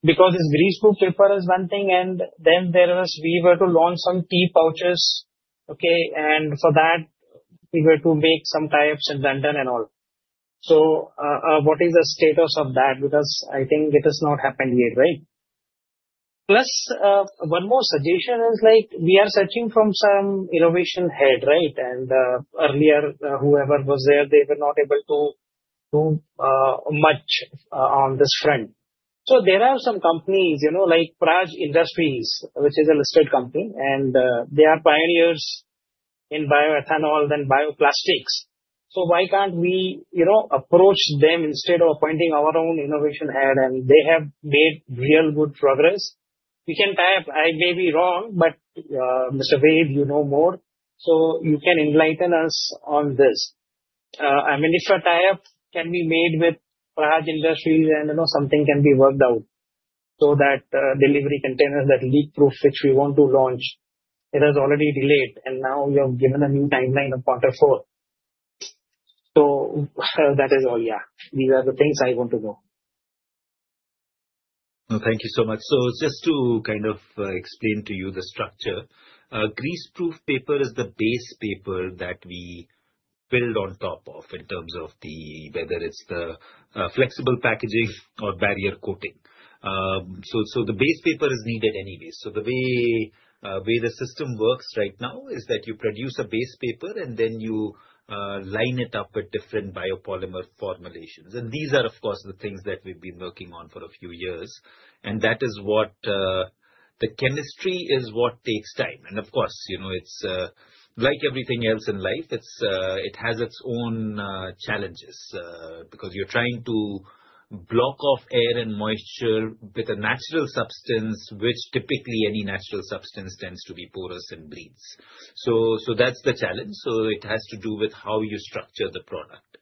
Speaker 4: Because this greaseproof paper is one thing, and then there was, we were to launch some tea pouches, okay, and for that, we were to make some trials in London and all. So, what is the status of that? Because I think it has not happened yet, right? Plus, one more suggestion is like, we are searching for some innovation head, right? Earlier, whoever was there, they were not able to do much on this front. There are some companies, you know, like Praj Industries, which is a listed company, and they are pioneers in bioethanol and bioplastics. Why can't we, you know, approach them instead of appointing our own innovation head? They have made real good progress. We can tie up. I may be wrong, but Mr. Ved, you know more. So you can enlighten us on this. I mean, if a tie-up can be made with Praj Industries and, you know, something can be worked out so that delivery containers that leak-proof, which we want to launch, it has already delayed. Now you have given a new timeline of quarter four. That is all. Yeah. These are the things I want to know.
Speaker 2: Thank you so much. Just to kind of explain to you the structure, greaseproof paper is the base paper that we build on top of in terms of whether it's the flexible packaging or barrier coating. So the base paper is needed anyway. The way the system works right now is that you produce a base paper and then you line it up with different biopolymer formulations. And these are, of course, the things that we've been working on for a few years. And that is what the chemistry is what takes time. And of course, you know, it's like everything else in life, it's it has its own challenges, because you're trying to block off air and moisture with a natural substance, which typically any natural substance tends to be porous and bleeds. So that's the challenge. So it has to do with how you structure the product.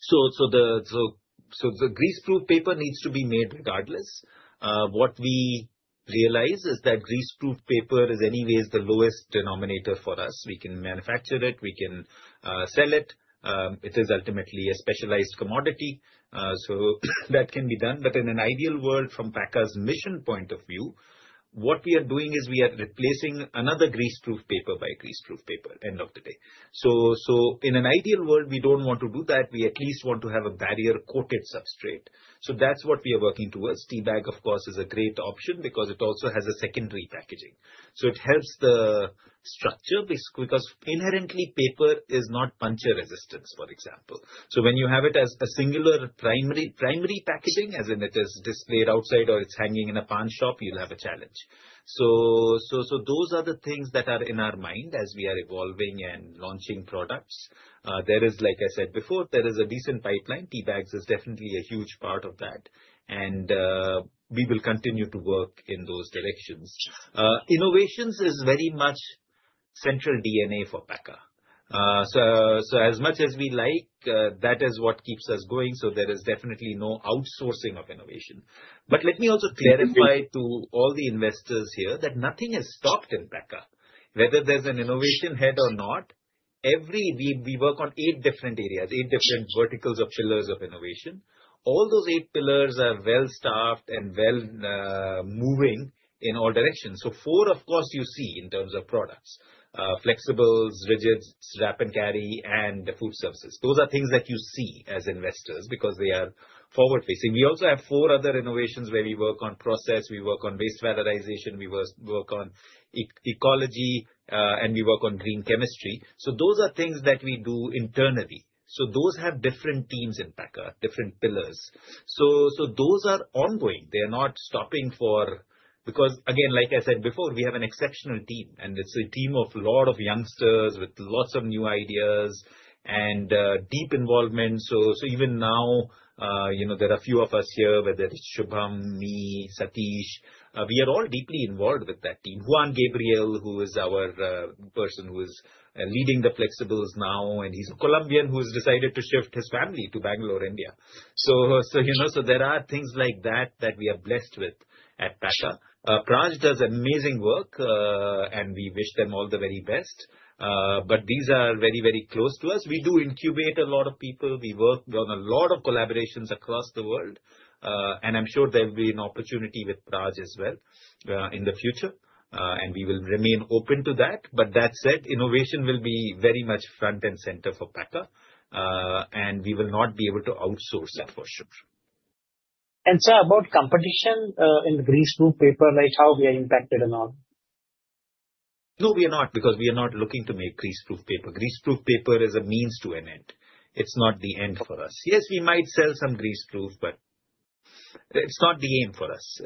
Speaker 2: So the greaseproof paper needs to be made regardless. What we realize is that greaseproof paper is anyways the lowest denominator for us. We can manufacture it. We can sell it. It is ultimately a specialized commodity. So that can be done. But in an ideal world, from Pakka's mission point of view, what we are doing is we are replacing another greaseproof paper by greaseproof paper end of the day. So in an ideal world, we don't want to do that. We at least want to have a barrier-coated substrate. So that's what we are working towards. Tea bag, of course, is a great option because it also has a secondary packaging. So it helps the structure because inherently paper is not puncture resistant, for example. So when you have it as a singular primary, primary packaging, as in it is displayed outside or it's hanging in a paan shop, you'll have a challenge. So those are the things that are in our mind as we are evolving and launching products. There is, like I said before, a decent pipeline. Tea bags is definitely a huge part of that. And we will continue to work in those directions. Innovations is very much central DNA for Pakka. As much as we like, that is what keeps us going. So there is definitely no outsourcing of innovation. But let me also clarify to all the investors here that nothing is stopped in Pakka. Whether there's an innovation head or not, we work on eight different areas, eight different verticals of pillars of innovation. All those eight pillars are well-staffed and well moving in all directions, so four, of course, you see in terms of products, Flexibles, Rigids, Wrap and Carry, and Food Services. Those are things that you see as investors because they are forward-facing. We also have four other innovations where we work on process. We work on waste valorization. We work on ecology, and we work on green chemistry, so those are things that we do internally, so those have different teams in Pakka, different pillars, so those are ongoing. They are not stopping, because again, like I said before, we have an exceptional team, and it's a team of a lot of youngsters with lots of new ideas and deep involvement, so even now, you know, there are a few of us here, whether it's Shubham, me, Satish, we are all deeply involved with that team. Juan Gabriel, who is our person who is leading the Flexibles now, and he's a Colombian who has decided to shift his family to Bangalore, India. So, you know, there are things like that that we are blessed with at Pakka. Praj does amazing work, and we wish them all the very best. But these are very, very close to us. We do incubate a lot of people. We work on a lot of collaborations across the world. And I'm sure there'll be an opportunity with Praj as well, in the future. And we will remain open to that. But that said, innovation will be very much front and center for Pakka. And we will not be able to outsource that for sure. Sir, about competition in the greaseproof paper, like how we are impacted and all? No, we are not because we are not looking to make greaseproof paper. Greaseproof paper is a means to an end. It's not the end for us. Yes, we might sell some greaseproof, but it's not the aim for us.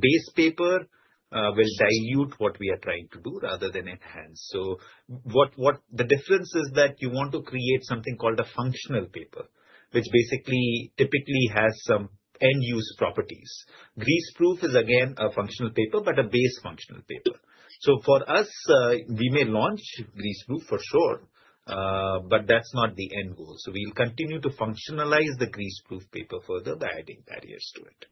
Speaker 2: Base paper will dilute what we are trying to do rather than enhance. So what the difference is that you want to create something called a functional paper, which basically typically has some end-use properties. Greaseproof is again a functional paper, but a base functional paper. So for us, we may launch greaseproof for sure, but that's not the end goal. So we'll continue to functionalize the greaseproof paper further by adding barriers to it.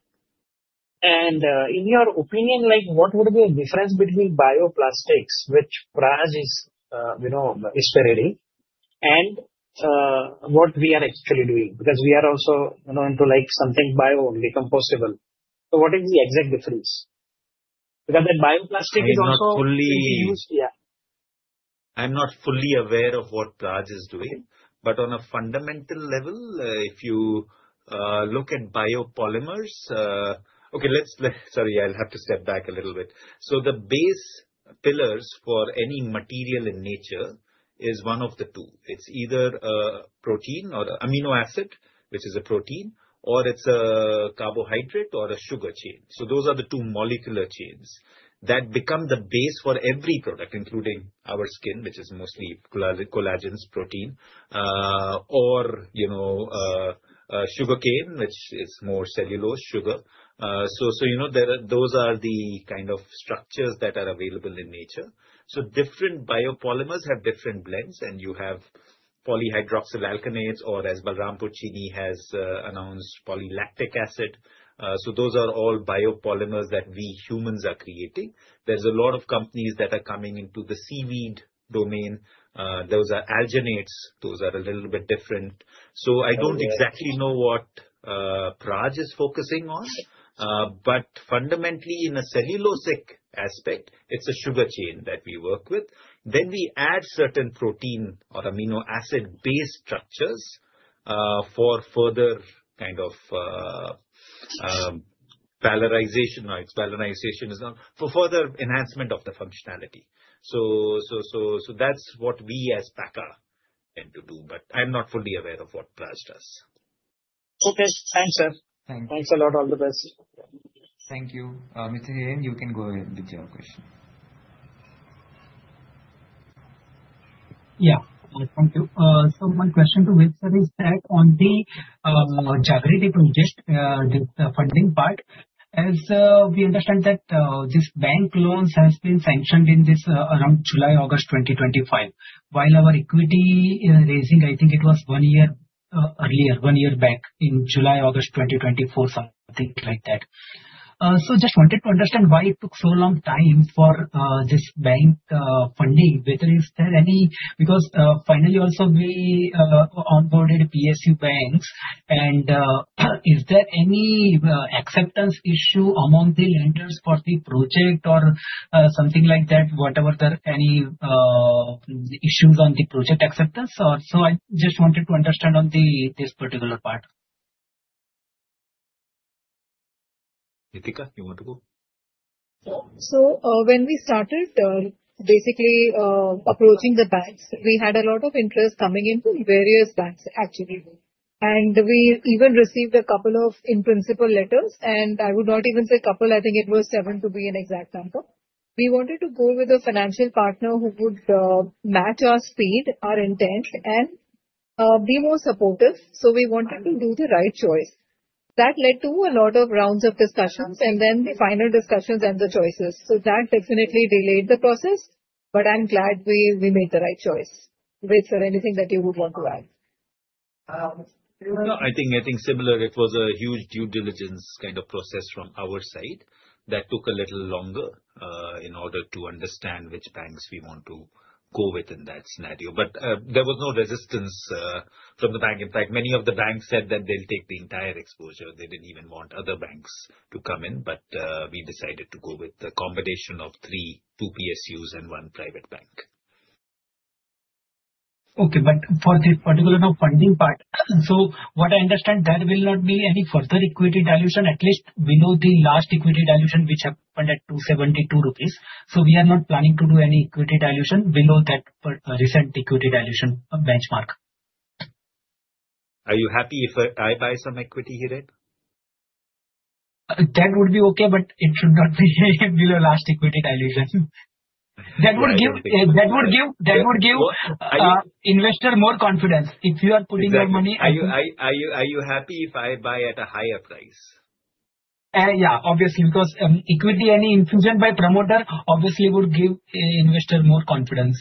Speaker 2: In your opinion, like, what would be a difference between bioplastics, which Praj is, you know, is already, and, what we are actually doing? Because we are also, you know, into like something biodegradable. So what is the exact difference? Because then bioplastic is also fully used. I'm not fully aware of what Praj is doing. But on a fundamental level, look at biopolymers. Sorry, I'll have to step back a little bit. So the base pillars for any material in nature is one of the two. It's either a protein or amino acid, which is a protein, or it's a carbohydrate or a sugar chain. So those are the two molecular chains that become the base for every product, including our skin, which is mostly collagen protein, or, you know, sugar cane, which is more cellulose, sugar. So you know, those are the kind of structures that are available in nature. So different biopolymers have different blends, and you have polyhydroxyalkanoates, or as Balrampur Chini has announced polylactic acid. So those are all biopolymers that we humans are creating. There's a lot of companies that are coming into the seaweed domain. Those are alginates. Those are a little bit different. So I don't exactly know what Praj is focusing on, but fundamentally in a cellulosic aspect, it's a sugar chain that we work with. Then we add certain protein or amino acid-based structures for further kind of valorization, right? Valorization is not for further enhancement of the functionality. So that's what we as Pakka tend to do. But I'm not fully aware of what Praj does. Okay. Thanks, sir. Thanks. Thanks a lot. All the best.
Speaker 1: Thank you. You can go ahead with your question. Yeah. Thank you. So my question to Ved is that on the Jagriti Project, this funding part, as we understand that this bank loans has been sanctioned in this around July, August 2025, while our equity raising, I think it was one year earlier, one year back in July, August 2024, something like that. So just wanted to understand why it took so long time for this bank funding. Whether is there any, because finally also we onboarded PSU banks, and is there any acceptance issue among the lenders for the project or something like that, whatever the any issues on the project acceptance or so? I just wanted to understand on this particular part.
Speaker 2: You want to go?
Speaker 4: So, when we started, basically, approaching the banks, we had a lot of interest coming into various banks, actually. And we even received a couple of in-principle letters, and I would not even say a couple. I think it was seven to be an exact number. We wanted to go with a financial partner who would match our speed, our intent, and be more supportive. So we wanted to do the right choice. That led to a lot of rounds of discussions and then the final discussions and the choices. So that definitely delayed the process, but I'm glad we made the right choice. Ved, is there anything that you would want to add?
Speaker 2: No, I think, I think similar. It was a huge due diligence kind of process from our side that took a little longer, in order to understand which banks we want to go with in that scenario. But there was no resistance from the bank. In fact, many of the banks said that they'll take the entire exposure. They didn't even want other banks to come in. But we decided to go with the combination of three, two PSUs and one private bank. Okay. But for the particular of funding part, so what I understand, there will not be any further equity dilution, at least below the last equity dilution, which happened at 272 rupees. So we are not planning to do any equity dilution below that recent equity dilution benchmark. Are you happy if I buy some equity here? That would be okay, but it should not be below last equity dilution. That would give investor more confidence if you are putting your money. Are you happy if I buy at a higher price? Yeah, obviously, because any equity infusion by promoter obviously would give investor more confidence.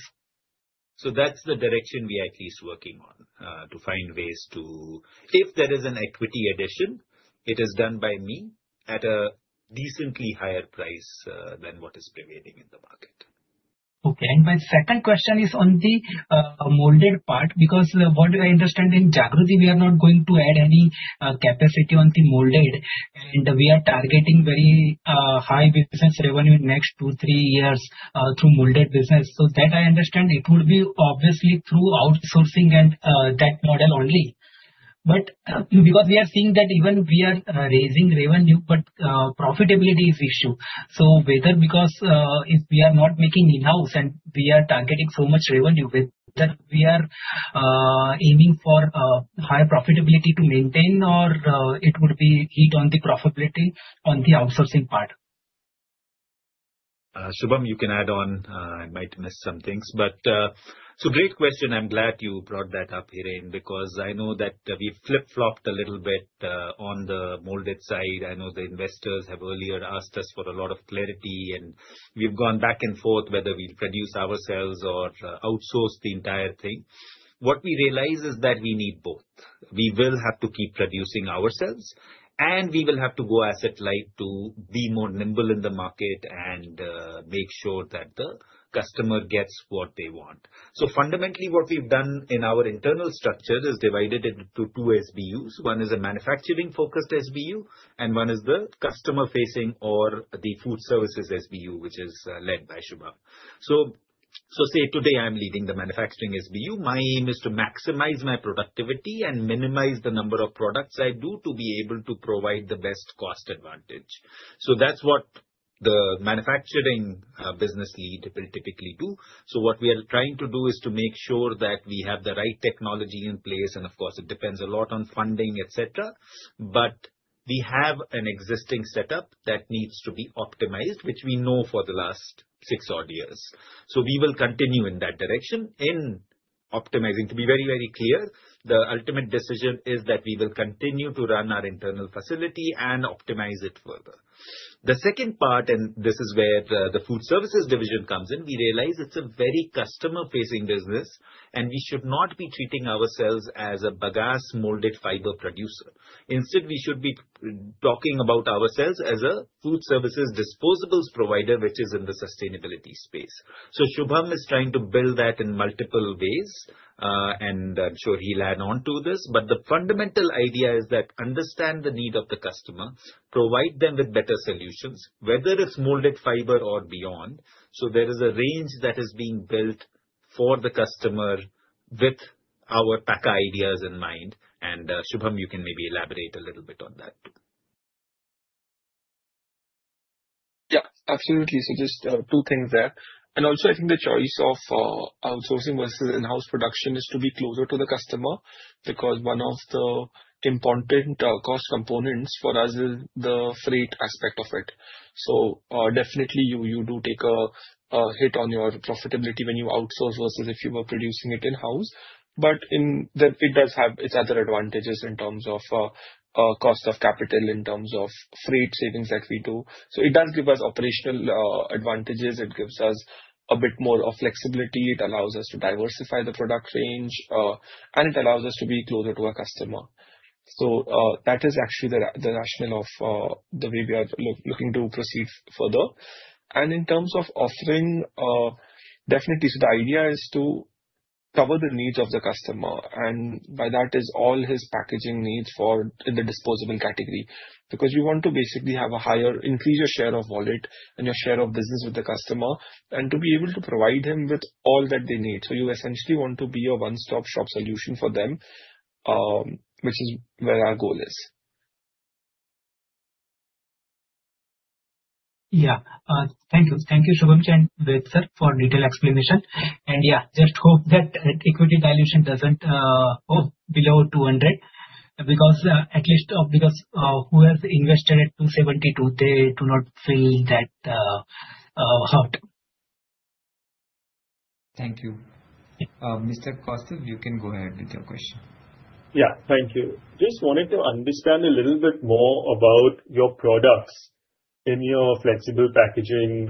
Speaker 2: That's the direction we are at least working on, to find ways to, if there is an equity addition, it is done by me at a decently higher price than what is prevailing in the market. Okay. And my second question is on the molded part, because what I understand in Jagriti, we are not going to add any capacity on the molded, and we are targeting very high business revenue next two, three years, through molded business. So that I understand it would be obviously through outsourcing and that model only. But because we are seeing that even we are raising revenue, but profitability is issue. So whether, because if we are not making in-house and we are targeting so much revenue with that, we are aiming for higher profitability to maintain, or it would be hit on the profitability on the outsourcing part. Shubham, you can add on. I might miss some things, but so great question. I'm glad you brought that up here, because I know that we flip-flopped a little bit on the molded side. I know the investors have earlier asked us for a lot of clarity, and we've gone back and forth whether we'll produce ourselves or outsource the entire thing. What we realize is that we need both. We will have to keep producing ourselves, and we will have to go asset-light to be more nimble in the market and make sure that the customer gets what they want. So fundamentally, what we've done in our internal structure is divided into two SBUs. One is a manufacturing-focused SBU, and one is the customer-facing or the Food Services SBU, which is led by Shubham. So, say today I'm leading the Manufacturing SBU. My aim is to maximize my productivity and minimize the number of products I do to be able to provide the best cost advantage. So that's what the manufacturing, business lead will typically do. So what we are trying to do is to make sure that we have the right technology in place. And of course, it depends a lot on funding, et cetera. But we have an existing setup that needs to be optimized, which we know for the last six odd years. So we will continue in that direction in optimizing. To be very, very clear, the ultimate decision is that we will continue to run our internal facility and optimize it further. The second part, and this is where theFood Services division comes in, we realize it's a very customer-facing business, and we should not be treating ourselves as a bagasse molded fiber producer. Instead, we should be talking about ourselves as a Food Services disposables provider, which is in the sustainability space. So Shubham is trying to build that in multiple ways, and I'm sure he'll add on to this. But the fundamental idea is that understand the need of the customer, provide them with better solutions, whether it's molded fiber or beyond. So there is a range that is being built for the customer with our Pakka ideas in mind. And, Shubham, you can maybe elaborate a little bit on that too.
Speaker 3: Yeah, absolutely. So just two things there. And also, I think the choice of outsourcing versus in-house production is to be closer to the customer because one of the important cost components for us is the freight aspect of it. So, definitely you do take a hit on your profitability when you outsource versus if you were producing it in-house. But in that, it does have its other advantages in terms of cost of capital, in terms of freight savings that we do. So it does give us operational advantages. It gives us a bit more flexibility. It allows us to diversify the product range, and it allows us to be closer to our customer. So, that is actually the rationale of the way we are looking to proceed further. And in terms of offering, definitely, so the idea is to cover the needs of the customer. And by that, it's all his packaging needs in the disposable category, because you want to basically increase your share of wallet and your share of business with the customer and to be able to provide him with all that they need. So you essentially want to be a one-stop shop solution for them, which is where our goal is. Yeah. Thank you. Thank you, Shubham and Ved, for detailed explanation. And yeah, just hope that equity dilution doesn't go below 200, because at least because who has invested at 272, they do not feel that hot.
Speaker 1: Thank you. You can go ahead with your question. Yeah, thank you. Just wanted to understand a little bit more about your products in your flexible packaging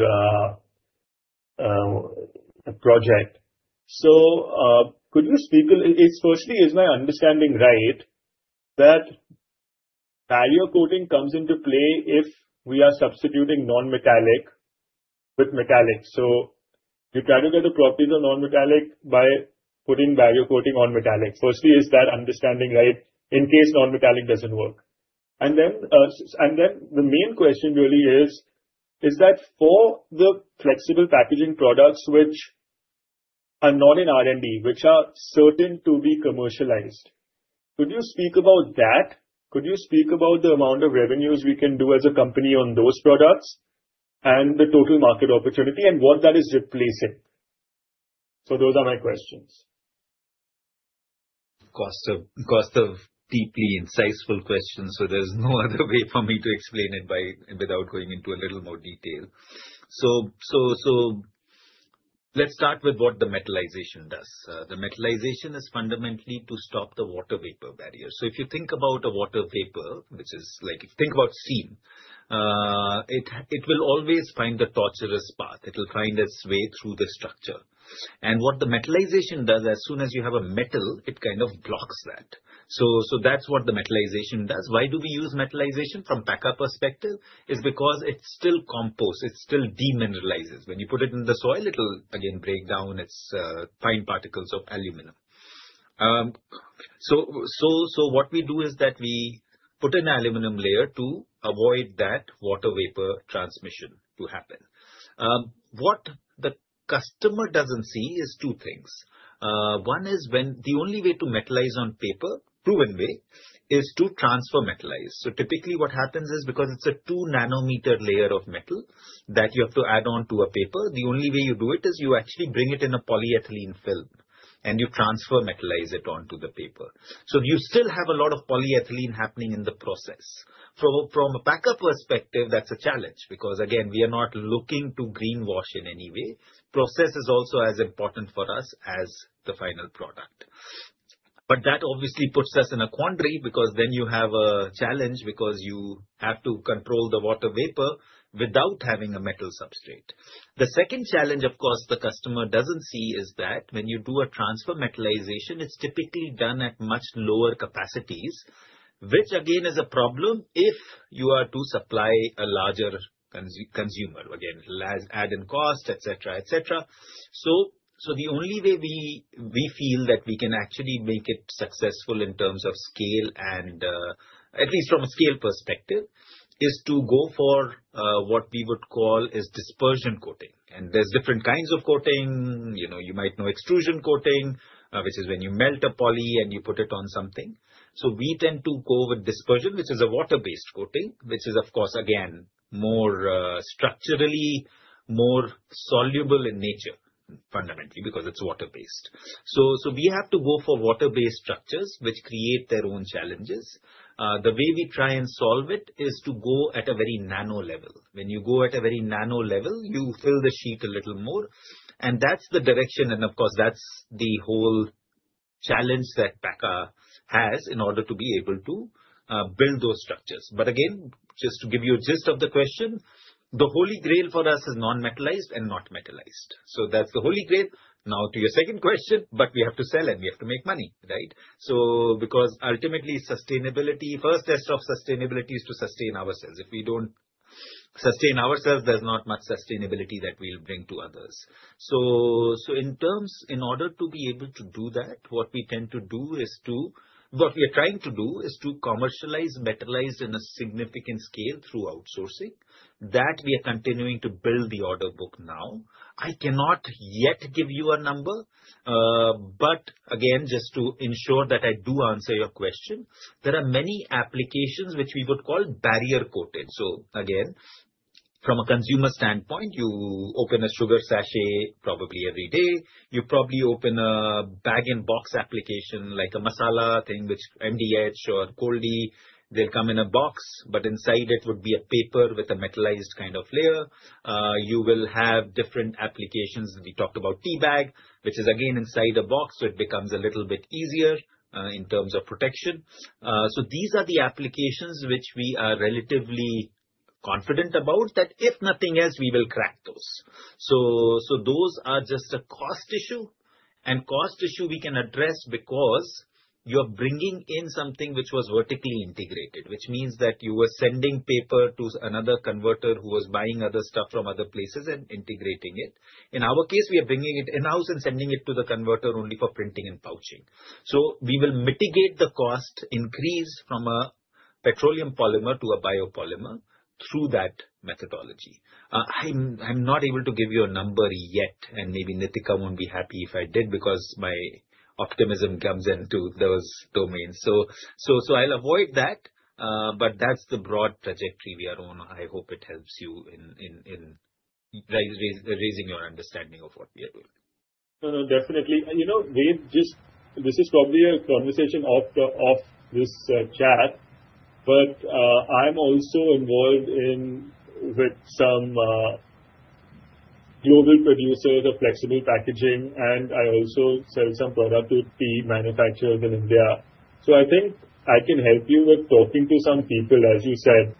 Speaker 1: project. So, could you speak a little bit. Firstly, is my understanding right that barrier coating comes into play if we are substituting non-metallized with metallized? So you try to get the properties of non-metallized by putting barrier coating on metallized. Firstly, is that understanding right in case non-metallized doesn't work? And then, and then the main question really is, [regarding] the flexible packaging products, which are not in R&D, which are certain to be commercialized, could you speak about that? Could you speak about the amount of revenues we can do as a company on those products and the total market opportunity and what that is replacing? So those are my questions.
Speaker 2: Deeply insightful question. So there's no other way for me to explain it but without going into a little more detail. So let's start with what the metallization does. The metallization is fundamentally to stop the water vapor barrier. So if you think about a water vapor, which is like, if you think about steam, it will always find the tortuous path. It will find its way through the structure. And what the metallization does, as soon as you have a metal, it kind of blocks that. So that's what the metallization does. Why do we use metallization from Pakka perspective? It's because it still composts. It still decomposes. When you put it in the soil, it will again break down its fine particles of aluminum. What we do is that we put an aluminum layer to avoid that water vapor transmission to happen. What the customer doesn't see is two things. One is when the only way to metallize on paper, proven way, is to transfer metallize. So typically what happens is because it's a two nanometer layer of metal that you have to add on to a paper, the only way you do it is you actually bring it in a polyethylene film and you transfer metallize it onto the paper. So you still have a lot of polyethylene happening in the process. From a Pakka perspective, that's a challenge because again, we are not looking to greenwash in any way. Process is also as important for us as the final product. But that obviously puts us in a quandary because then you have a challenge because you have to control the water vapor without having a metal substrate. The second challenge, of course, the customer doesn't see is that when you do a transfer metalization, it's typically done at much lower capacities, which again is a problem if you are to supply a larger consumer. Again, it has added cost, et cetera, et cetera. So, so the only way we, we feel that we can actually make it successful in terms of scale and, at least from a scale perspective, is to go for, what we would call is dispersion coating. And there's different kinds of coating. You know, you might know extrusion coating, which is when you melt a poly and you put it on something. We tend to go with dispersion, which is a water-based coating, which is of course again more structurally more soluble in nature, fundamentally, because it's water-based. So we have to go for water-based structures, which create their own challenges. The way we try and solve it is to go at a very nano level. When you go at a very nano level, you fill the sheet a little more. And that's the direction. And of course, that's the whole challenge that Pakka has in order to be able to build those structures. But again, just to give you a gist of the question, the holy grail for us is non-metallized and non-metallized. So that's the holy grail. Now to your second question, but we have to sell and we have to make money, right? So because ultimately sustainability, first test of sustainability is to sustain ourselves. If we don't sustain ourselves, there's not much sustainability that we'll bring to others. So in terms, in order to be able to do that, what we are trying to do is to commercialize metallized in a significant scale through outsourcing that we are continuing to build the order book now. I cannot yet give you a number, but again, just to ensure that I do answer your question, there are many applications which we would call barrier-coated. So again, from a consumer standpoint, you open a sugar sachet probably every day. You probably open a bag-in-box application like a masala thing, which MDH or Goldiee, they'll come in a box, but inside it would be a paper with a metallized kind of layer. You will have different applications. We talked about Tea bag, which is again inside a box. It becomes a little bit easier in terms of protection. These are the applications which we are relatively confident about that if nothing else, we will crack those. Those are just a cost issue. We can address the cost issue because you are bringing in something which was vertically integrated, which means that you were sending paper to another converter who was buying other stuff from other places and integrating it. In our case, we are bringing it in-house and sending it to the converter only for printing and pouching. We will mitigate the cost increase from a petroleum polymer to a biopolymer through that methodology. I'm not able to give you a number yet, and maybe Neetika won't be happy if I did because my optimism comes into those domains. I'll avoid that. But that's the broad trajectory we are on. I hope it helps you in raising your understanding of what we are doing. No, no, definitely. You know, we've just, this is probably a conversation off this chat, but I'm also involved in with some global producers of flexible packaging, and I also sell some products to tea manufacturers in India. So I think I can help you with talking to some people, as you said,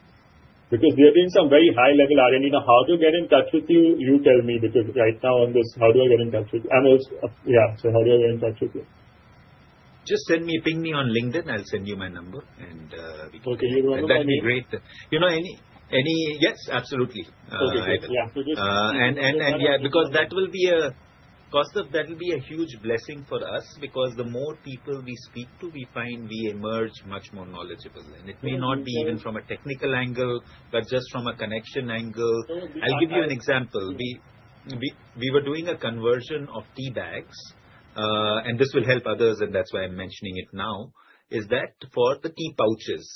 Speaker 2: because there have been some very high-level R&D now. How do I get in touch with you? You tell me, because right now on this, how do I get in touch with you? I'm also, yeah, so how do I get in touch with you? Just send me, ping me on LinkedIn. I'll send you my number and we can. Okay, you want to know? That'd be great. You know, any, yes, absolutely. Okay, great. Yeah, produce it. Yeah, because that will be a huge blessing for us, because the more people we speak to, we find we emerge much more knowledgeable. And it may not be even from a technical angle, but just from a connection angle. I'll give you an example. We were doing a conversion of tea bags, and this will help others, and that's why I'm mentioning it now, is that for the tea pouches,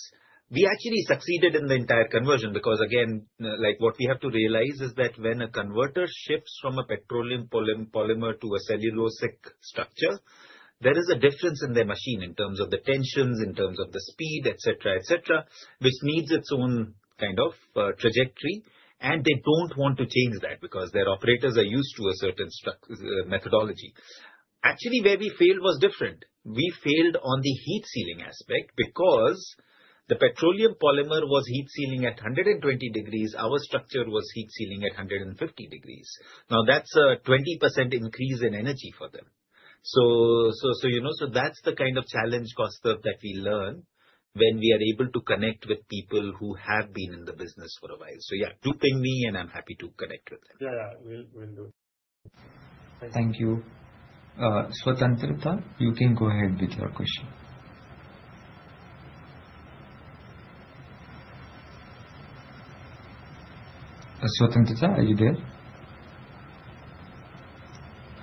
Speaker 2: we actually succeeded in the entire conversion because again, like what we have to realize is that when a converter shifts from a petroleum polymer to a cellulosic structure, there is a difference in their machine in terms of the tensions, in terms of the speed, et cetera, which needs its own kind of trajectory. They don't want to change that because their operators are used to a certain structure, methodology. Actually, where we failed was different. We failed on the heat sealing aspect because the petroleum polymer was heat sealing at 120 degrees. Our structure was heat sealing at 150 degrees. Now that's a 20% increase in energy for them. So, you know, that's the kind of challenge, Kaustav, that we learn when we are able to connect with people who have been in the business for a while. So yeah, do ping me and I'm happy to connect with them. Yeah, yeah, we'll, we'll do.
Speaker 1: Thank you. You can go ahead with your question. Are you there?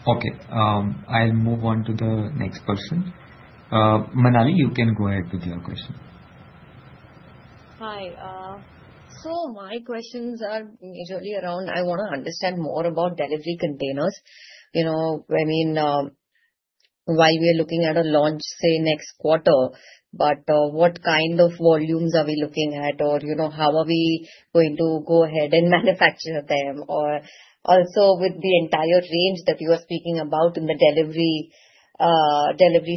Speaker 1: Okay. I'll move on to the next person. Manali, you can go ahead with your question. Hi. So my questions are majorly around. I want to understand more about delivery containers. You know, I mean, while we are looking at a launch, say, next quarter, but what kind of volumes are we looking at? Or, you know, how are we going to go ahead and manufacture them? Or also with the entire range that you are speaking about in the delivery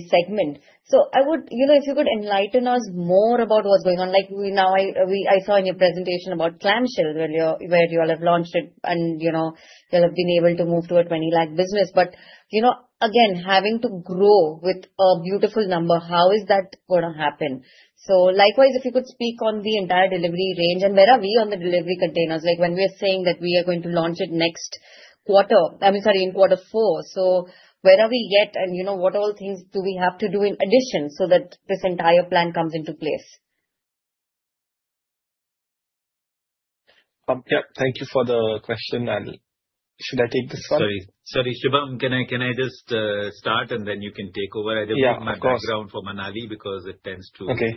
Speaker 1: segment. So I would, you know, if you could enlighten us more about what's going on. Like now I saw in your presentation about clamshell where you all have launched it and, you know, you all have been able to move to a 20 lakh business. But, you know, again, having to grow with a beautiful number, how is that going to happen? So likewise, if you could speak on the entire delivery range and where are we on the delivery containers? Like when we are saying that we are going to launch it next quarter, I mean, sorry, in quarter four. So where are we yet? And, you know, what all things do we have to do in addition so that this entire plan comes into place?
Speaker 2: Yeah, thank you for the question, and should I take this one? Sorry, Shubham, can I just start and then you can take over? I didn't take my background for Manali because it tends to.
Speaker 3: Okay.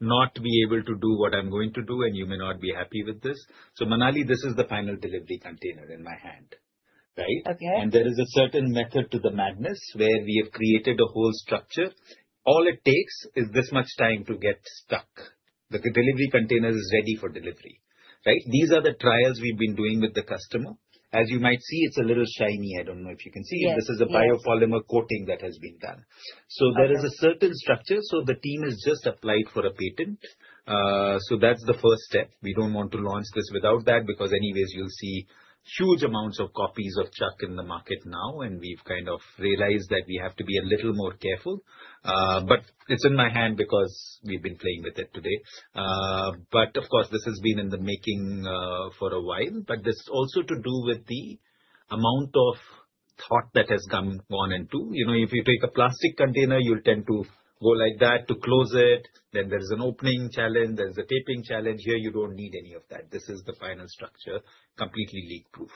Speaker 2: Not be able to do what I'm going to do, and you may not be happy with this. So Manali, this is the final delivery container in my hand, right? Okay. There is a certain method to the madness where we have created a whole structure. All it takes is this much time to get stuck. The delivery container is ready for delivery, right? These are the trials we've been doing with the customer. As you might see, it's a little shiny. I don't know if you can see. Yeah. This is a biopolymer coating that has been done. So there is a certain structure. So the team has just applied for a patent. So that's the first step. We don't want to launch this without that because anyways, you'll see huge amounts of copies of CHUK in the market now. And we've kind of realized that we have to be a little more careful. But it's in my hand because we've been playing with it today. But of course, this has been in the making for a while, but this also to do with the amount of thought that has gone on and to, you know, if you take a plastic container, you'll tend to go like that to close it. Then there's an opening challenge. There's a taping challenge here. You don't need any of that. This is the final structure, completely leak-proof.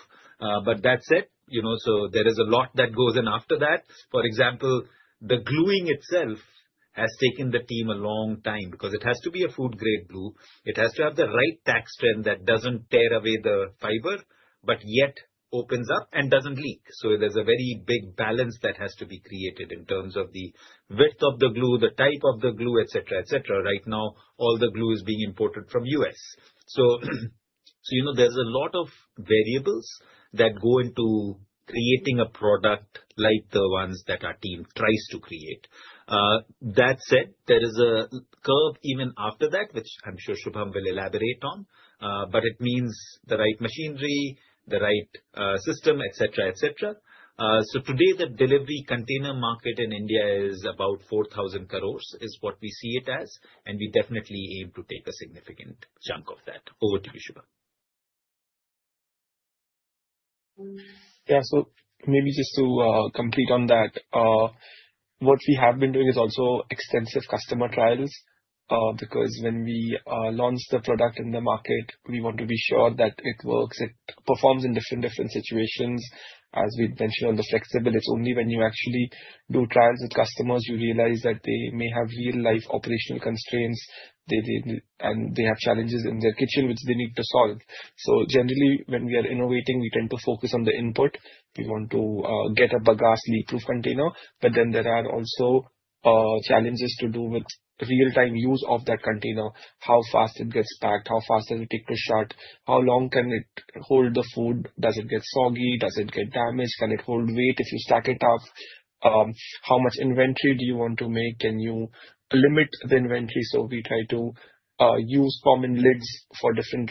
Speaker 2: But that's it, you know. So there is a lot that goes in after that. For example, the gluing itself has taken the team a long time because it has to be a food-grade glue. It has to have the right tack strength that doesn't tear away the fiber, but yet opens up and doesn't leak. So there's a very big balance that has to be created in terms of the width of the glue, the type of the glue, et cetera, et cetera. Right now, all the glue is being imported from the U.S. So, you know, there's a lot of variables that go into creating a product like the ones that our team tries to create. That said, there is a curve even after that, which I'm sure Shubham will elaborate on. But it means the right machinery, the right system, et cetera, et cetera. Today, the delivery container market in India is about 4,000 crores. That is what we see it as. We definitely aim to take a significant chunk of that. Over to you, Shubham.
Speaker 3: Yeah, so maybe just to complete on that, what we have been doing is also extensive customer trials. Because when we launch the product in the market, we want to be sure that it works. It performs in different situations. As we mentioned on the flexible, it's only when you actually do trials with customers, you realize that they may have real-life operational constraints. They, and they have challenges in their kitchen, which they need to solve. So generally, when we are innovating, we tend to focus on the input. We want to get a bagasse leak-proof container, but then there are also challenges to do with real-time use of that container. How fast it gets packed? How fast does it take to shut? How long can it hold the food? Does it get soggy? Does it get damaged? Can it hold weight if you stack it up? How much inventory do you want to make? Can you limit the inventory? So we try to use common lids for different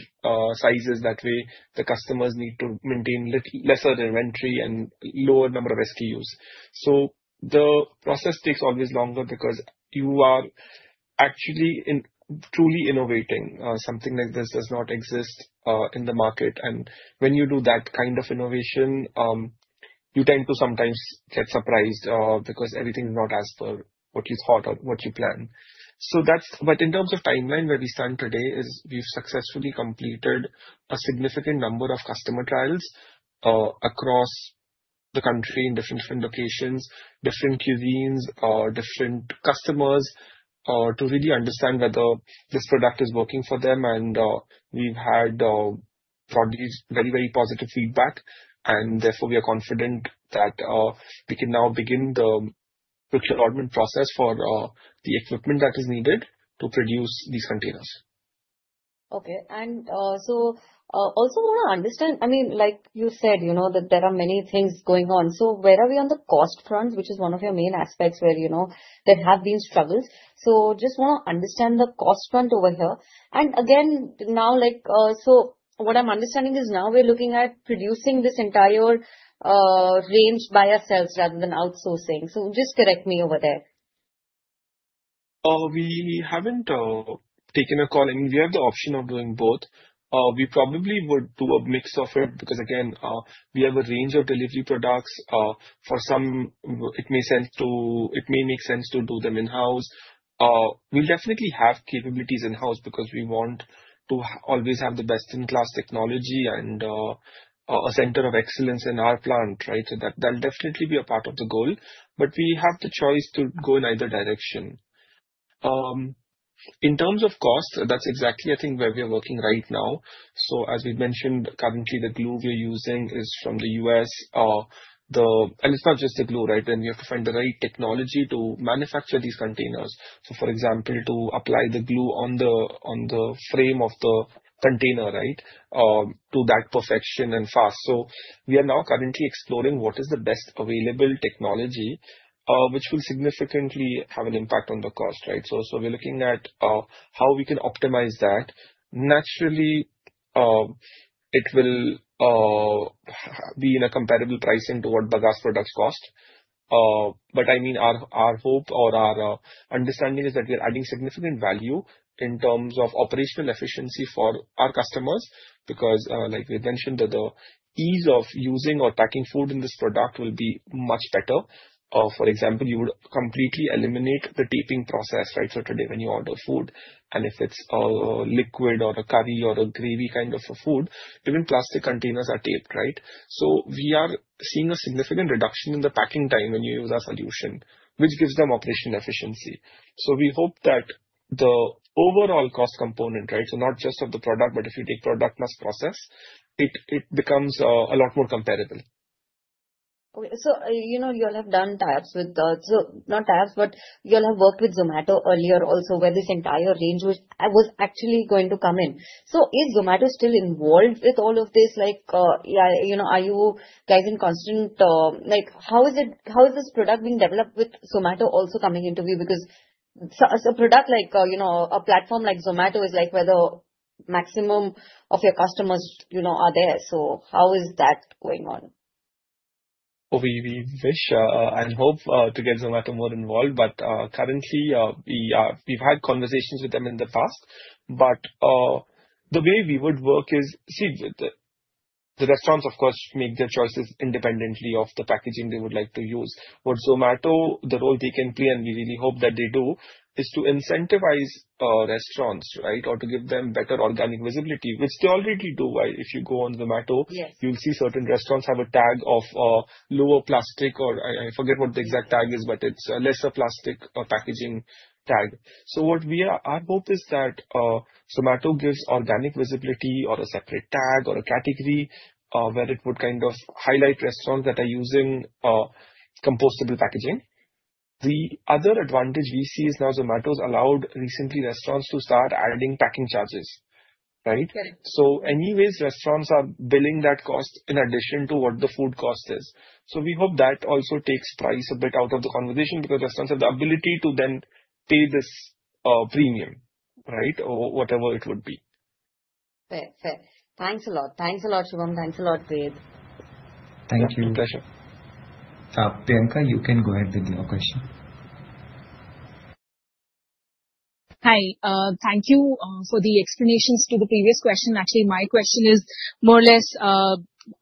Speaker 3: sizes. That way, the customers need to maintain lesser inventory and lower number of SKUs. So the process takes always longer because you are actually truly innovating. Something like this does not exist in the market. And when you do that kind of innovation, you tend to sometimes get surprised because everything's not as per what you thought or what you planned. In terms of timeline, where we stand today is we've successfully completed a significant number of customer trials across the country in different locations, different cuisines, different customers, to really understand whether this product is working for them, and we've had product very, very positive feedback, and therefore, we are confident that we can now begin the procurement process for the equipment that is needed to produce these containers. Okay. And so, also want to understand, I mean, like you said, you know, that there are many things going on. So where are we on the cost front, which is one of your main aspects where, you know, there have been struggles? So just want to understand the cost front over here. And again, now, like, so what I'm understanding is now we're looking at producing this entire range by ourselves rather than outsourcing. So just correct me over there. We haven't taken a call. I mean, we have the option of doing both. We probably would do a mix of it because again, we have a range of delivery products. For some, it makes sense to, it may make sense to do them in-house. We'll definitely have capabilities in-house because we want to always have the best-in-class technology and a center of excellence in our plant, right? So that, that'll definitely be a part of the goal, but we have the choice to go in either direction. In terms of cost, that's exactly, I think, where we are working right now. So as we've mentioned, currently, the glue we're using is from the U.S. And it's not just the glue, right? Then we have to find the right technology to manufacture these containers. So, for example, to apply the glue on the frame of the container, right? To that perfection and fast. We are now currently exploring what is the best available technology, which will significantly have an impact on the cost, right? We're looking at how we can optimize that. Naturally, it will be in a comparable price to what bagasse products cost. But I mean, our hope or our understanding is that we are adding significant value in terms of operational efficiency for our customers because, like we've mentioned, the ease of using or packing food in this product will be much better. For example, you would completely eliminate the taping process, right? So today, when you order food and if it's a liquid or a curry or a gravy kind of a food, even plastic containers are taped, right? So we are seeing a significant reduction in the packing time when you use our solution, which gives them operational efficiency. So we hope that the overall cost component, right? So not just of the product, but if you take product plus process, it becomes a lot more comparable. Okay. So, you know, you all have done talks with, so not tabs, but you all have worked with Zomato earlier also where this entire range was, actually going to come in. So is Zomato still involved with all of this? Like, yeah, you know, are you guys in constant, like how is it, how is this product being developed with Zomato also coming into view? Because a product like, you know, a platform like Zomato is like where the maximum of your customers, you know, are there. So how is that going on? We wish and hope to get Zomato more involved. But currently, we've had conversations with them in the past, but the way we would work is, see, the restaurants, of course, make their choices independently of the packaging they would like to use. What Zomato the role they can play, and we really hope that they do, is to incentivize restaurants, right? Or to give them better organic visibility, which they already do. Why? If you go on Zomato, you'll see certain restaurants have a tag of lower plastic or I forget what the exact tag is, but it's a lesser plastic packaging tag. So our hope is that Zomato gives organic visibility or a separate tag or a category, where it would kind of highlight restaurants that are using compostable packaging. The other advantage we see is now Zomato's allowed recently restaurants to start adding packaging charges, right? Correct. So anyways, restaurants are billing that cost in addition to what the food cost is. So we hope that also takes price a bit out of the conversation because restaurants have the ability to then pay this, premium, right? Or whatever it would be. Fair, fair. Thanks a lot. Thanks a lot, Shubham. Thanks a lot, Ved.
Speaker 2: Thank you.
Speaker 3: It's a pleasure.
Speaker 1: Priyanka, you can go ahead with your question. Hi, thank you for the explanations to the previous question. Actually, my question is more or less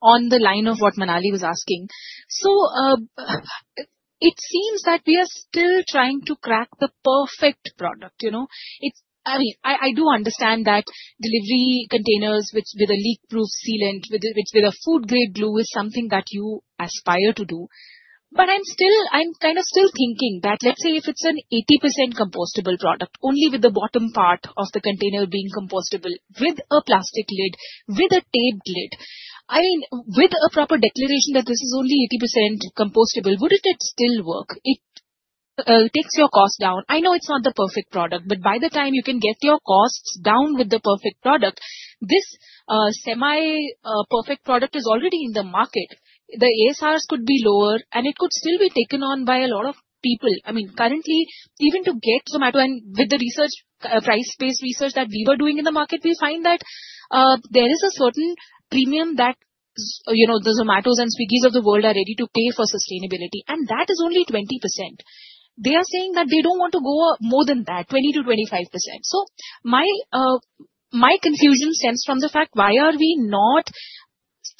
Speaker 1: on the line of what Manali was asking. So, it seems that we are still trying to crack the perfect product, you know? It's, I mean, I do understand that delivery containers with a leak-proof sealant, which with a food-grade glue is something that you aspire to do. But I'm still, I'm kind of still thinking that let's say if it's an 80% compostable product, only with the bottom part of the container being compostable, with a plastic lid, with a taped lid, I mean, with a proper declaration that this is only 80% compostable, wouldn't it still work? It takes your cost down. I know it's not the perfect product, but by the time you can get your costs down with the perfect product, this semi-perfect product is already in the market. The ASRs could be lower and it could still be taken on by a lot of people. I mean, currently, even to get Zomato and with the research, price-based research that we were doing in the market, we find that there is a certain premium that, you know, the Zomatos and Swiggys of the world are ready to pay for sustainability, and that is only 20%. They are saying that they don't want to go more than that, 20%-25%. So my confusion stems from the fact, why are we not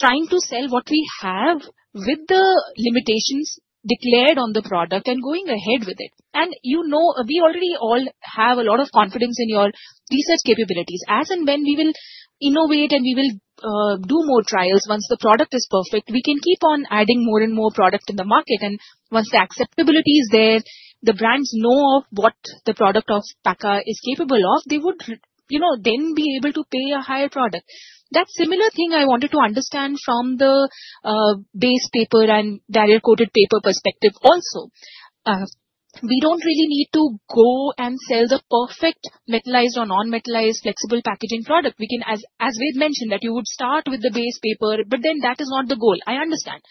Speaker 1: trying to sell what we have with the limitations declared on the product and going ahead with it? You know, we already all have a lot of confidence in your research capabilities. As and when we will innovate and we will, do more trials, once the product is perfect, we can keep on adding more and more product in the market. And once the acceptability is there, the brands know of what the product of Pakka is capable of, they would, you know, then be able to pay a higher product. That similar thing I wanted to understand from the base paper and barrier-coated paper perspective also. We don't really need to go and sell the perfect metallized or non-metallized flexible packaging product. We can, as, as we've mentioned, that you would start with the base paper, but then that is not the goal. I understand.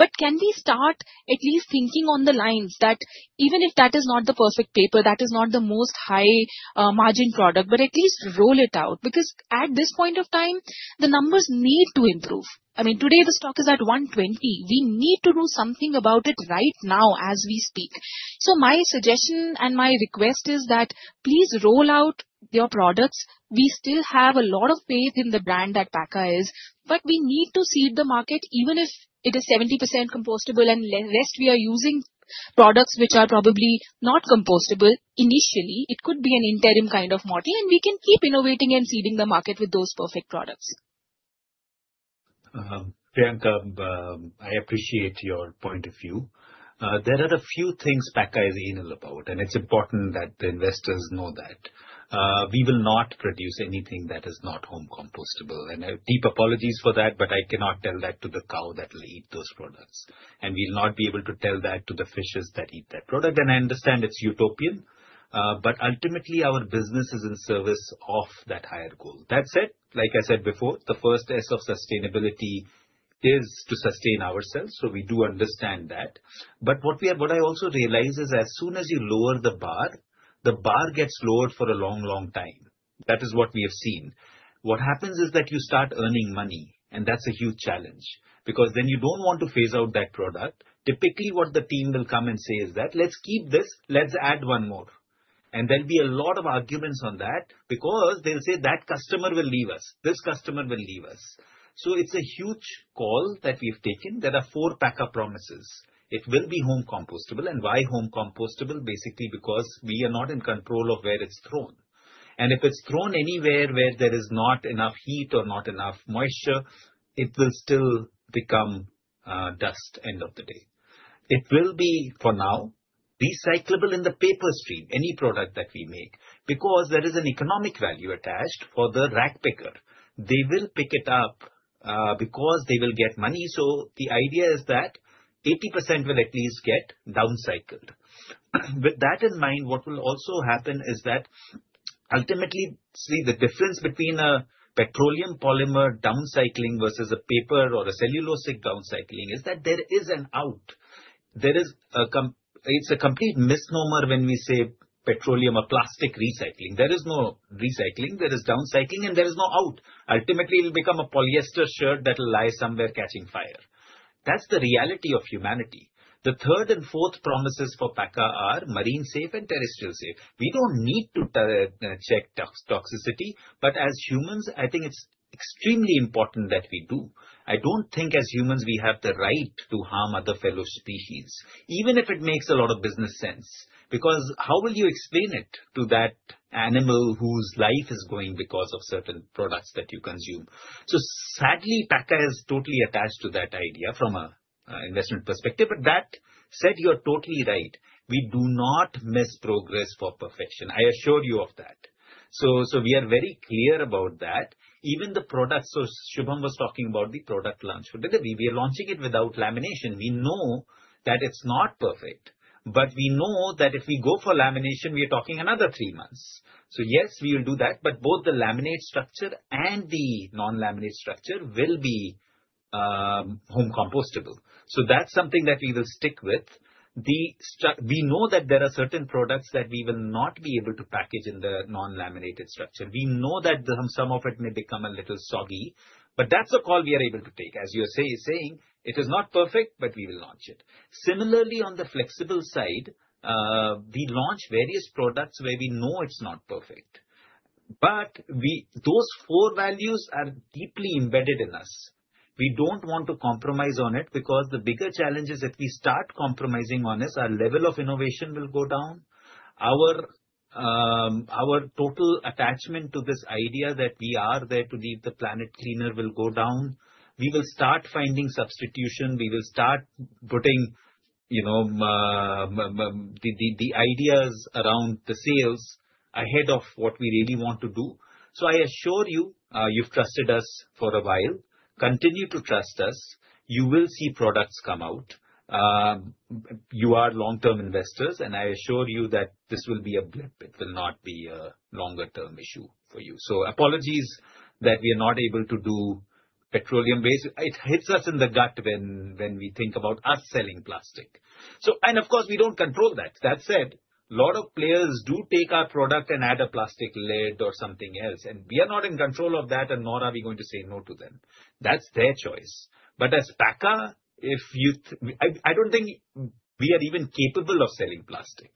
Speaker 1: But can we start at least thinking on the lines that even if that is not the perfect paper, that is not the most high-margin product, but at least roll it out? Because at this point of time, the numbers need to improve. I mean, today the stock is at 120. We need to do something about it right now as we speak. So my suggestion and my request is that please roll out your products. We still have a lot of faith in the brand that Pakka is, but we need to seed the market even if it is 70% compostable and the rest we are using products which are probably not compostable initially. It could be an interim kind of model, and we can keep innovating and seeding the market with those perfect products.
Speaker 2: Priyanka, I appreciate your point of view. There are a few things Pakka is anal about, and it's important that the investors know that. We will not produce anything that is not home compostable, and I have deep apologies for that, but I cannot tell that to the cow that will eat those products, and we'll not be able to tell that to the fishes that eat that product, and I understand it's utopian, but ultimately our business is in service of that higher goal. That said, like I said before, the first S of sustainability is to sustain ourselves, so we do understand that, but what we have, what I also realize is as soon as you lower the bar, the bar gets lowered for a long, long time. That is what we have seen. What happens is that you start earning money, and that's a huge challenge because then you don't want to phase out that product. Typically, what the team will come and say is that, "Let's keep this. Let's add one more." And there'll be a lot of arguments on that because they'll say that customer will leave us. This customer will leave us. So it's a huge call that we've taken. There are four Pakka promises. It will be home compostable. And why home compostable? Basically because we are not in control of where it's thrown. And if it's thrown anywhere where there is not enough heat or not enough moisture, it will still become dust end of the day. It will be, for now, recyclable in the paper stream, any product that we make because there is an economic value attached for the ragpicker. They will pick it up, because they will get money. So the idea is that 80% will at least get downcycled. With that in mind, what will also happen is that ultimately, see, the difference between a petroleum polymer downcycling versus a paper or a cellulosic downcycling is that there is an out. It's a complete misnomer when we say petroleum or plastic recycling. There is no recycling. There is downcycling, and there is no out. Ultimately, it'll become a polyester shirt that'll lie somewhere catching fire. That's the reality of humanity. The third and fourth promises for Pakka are marine safe and terrestrial safe. We don't need to check toxicity, but as humans, I think it's extremely important that we do. I don't think as humans we have the right to harm other fellow species, even if it makes a lot of business sense, because how will you explain it to that animal whose life is going because of certain products that you consume? Sadly, Pakka is totally attached to that idea from an investment perspective. But that said, you're totally right. We do not miss progress for perfection. I assure you of that. So we are very clear about that. Even the products, so Shubham was talking about the product launch. We're launching it without lamination. We know that it's not perfect, but we know that if we go for lamination, we are talking another three months. So yes, we will do that, but both the laminate structure and the non-laminate structure will be home compostable. So that's something that we will stick with. The structure, we know that there are certain products that we will not be able to package in the non-laminated structure. We know that some of it may become a little soggy, but that's a call we are able to take. As you say, saying it is not perfect, but we will launch it. Similarly, on the flexible side, we launch various products where we know it's not perfect, but we, those four values are deeply embedded in us. We don't want to compromise on it because the bigger challenges if we start compromising on this, our level of innovation will go down. Our total attachment to this idea that we are there to leave the planet cleaner will go down. We will start finding substitution. We will start putting, you know, the ideas around the sales ahead of what we really want to do. So I assure you, you've trusted us for a while. Continue to trust us. You will see products come out. You are long-term investors, and I assure you that this will be a blip. It will not be a longer-term issue for you. Apologies that we are not able to do petroleum-based. It hits us in the gut when we think about us selling plastic. So, and of course, we don't control that. That said, a lot of players do take our product and add a plastic lid or something else, and we are not in control of that, and nor are we going to say no to them. That's their choice. But as Pakka, if you, I don't think we are even capable of selling plastic.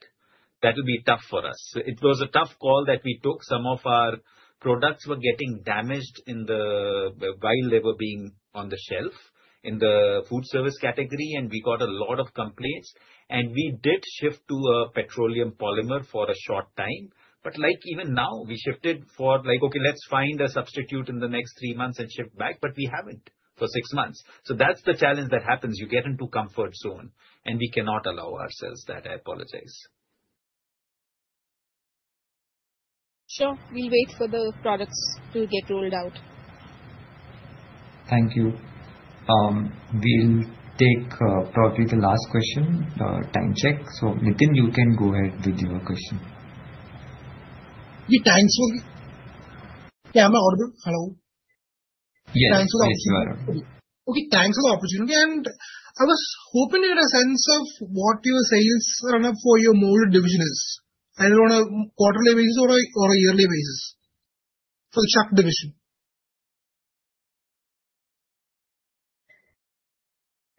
Speaker 2: That'll be tough for us. It was a tough call that we took. Some of our products were getting damaged in the wild while they were on the shelf in the food service category, and we got a lot of complaints, and we did shift to a petroleum polymer for a short time, but like even now we shifted for like, okay, let's find a substitute in the next three months and shift back, but we haven't for six months, so that's the challenge that happens. You get into comfort zone, and we cannot allow ourselves that. I apologize. Sure. We'll wait for the products to get rolled out. Thank you.
Speaker 1: We'll take, probably the last question, time check. So Nitin, you can go ahead with your question. Yeah, I'm an auditor. Hello.
Speaker 2: Yes. Thanks for the opportunity. Okay, thanks for the opportunity, and I was hoping you had a sense of what your sales run up for your mold division is, either on a quarterly basis or a, or a yearly basis for the CHUK division.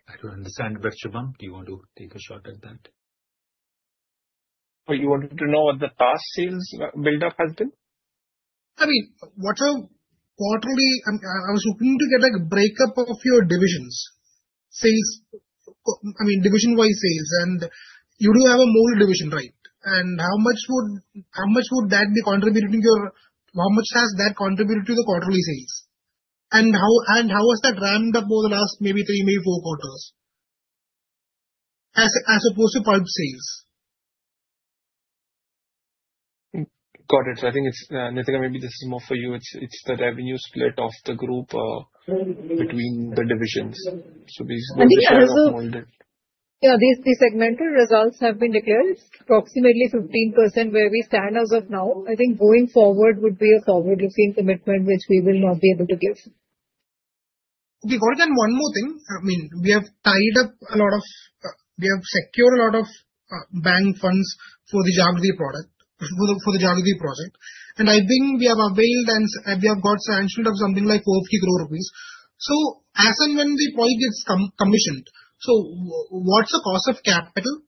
Speaker 2: I don't understand, but Shubham, do you want to take a shot at that?
Speaker 3: Oh, you wanted to know what the past sales buildup has been? I mean, what a quarterly. I was hoping to get a breakdown of your divisions. Sales, I mean, division-wise sales, and you do have a mold division, right? And how much would that be contributing to your quarterly sales? And how has that ramped up over the last maybe three, maybe four quarters as opposed to pulp sales? Got it. So I think it's, Neetika, maybe this is more for you. It's the revenue split of the group, between the divisions. So basically.
Speaker 4: I think that is, yeah, these segmented results have been declared. It's approximately 15% where we stand as of now. I think going forward would be a forward-looking commitment, which we will not be able to give. Okay, got it. And one more thing. I mean, we have tied up a lot of, we have secured a lot of, bank funds for the Jagriti Project, for the, for the Jagriti Project. And I think we have availed and we have got sanctioned of something like 450 crore rupees. So as and when the project gets commissioned, so what's the cost of capital?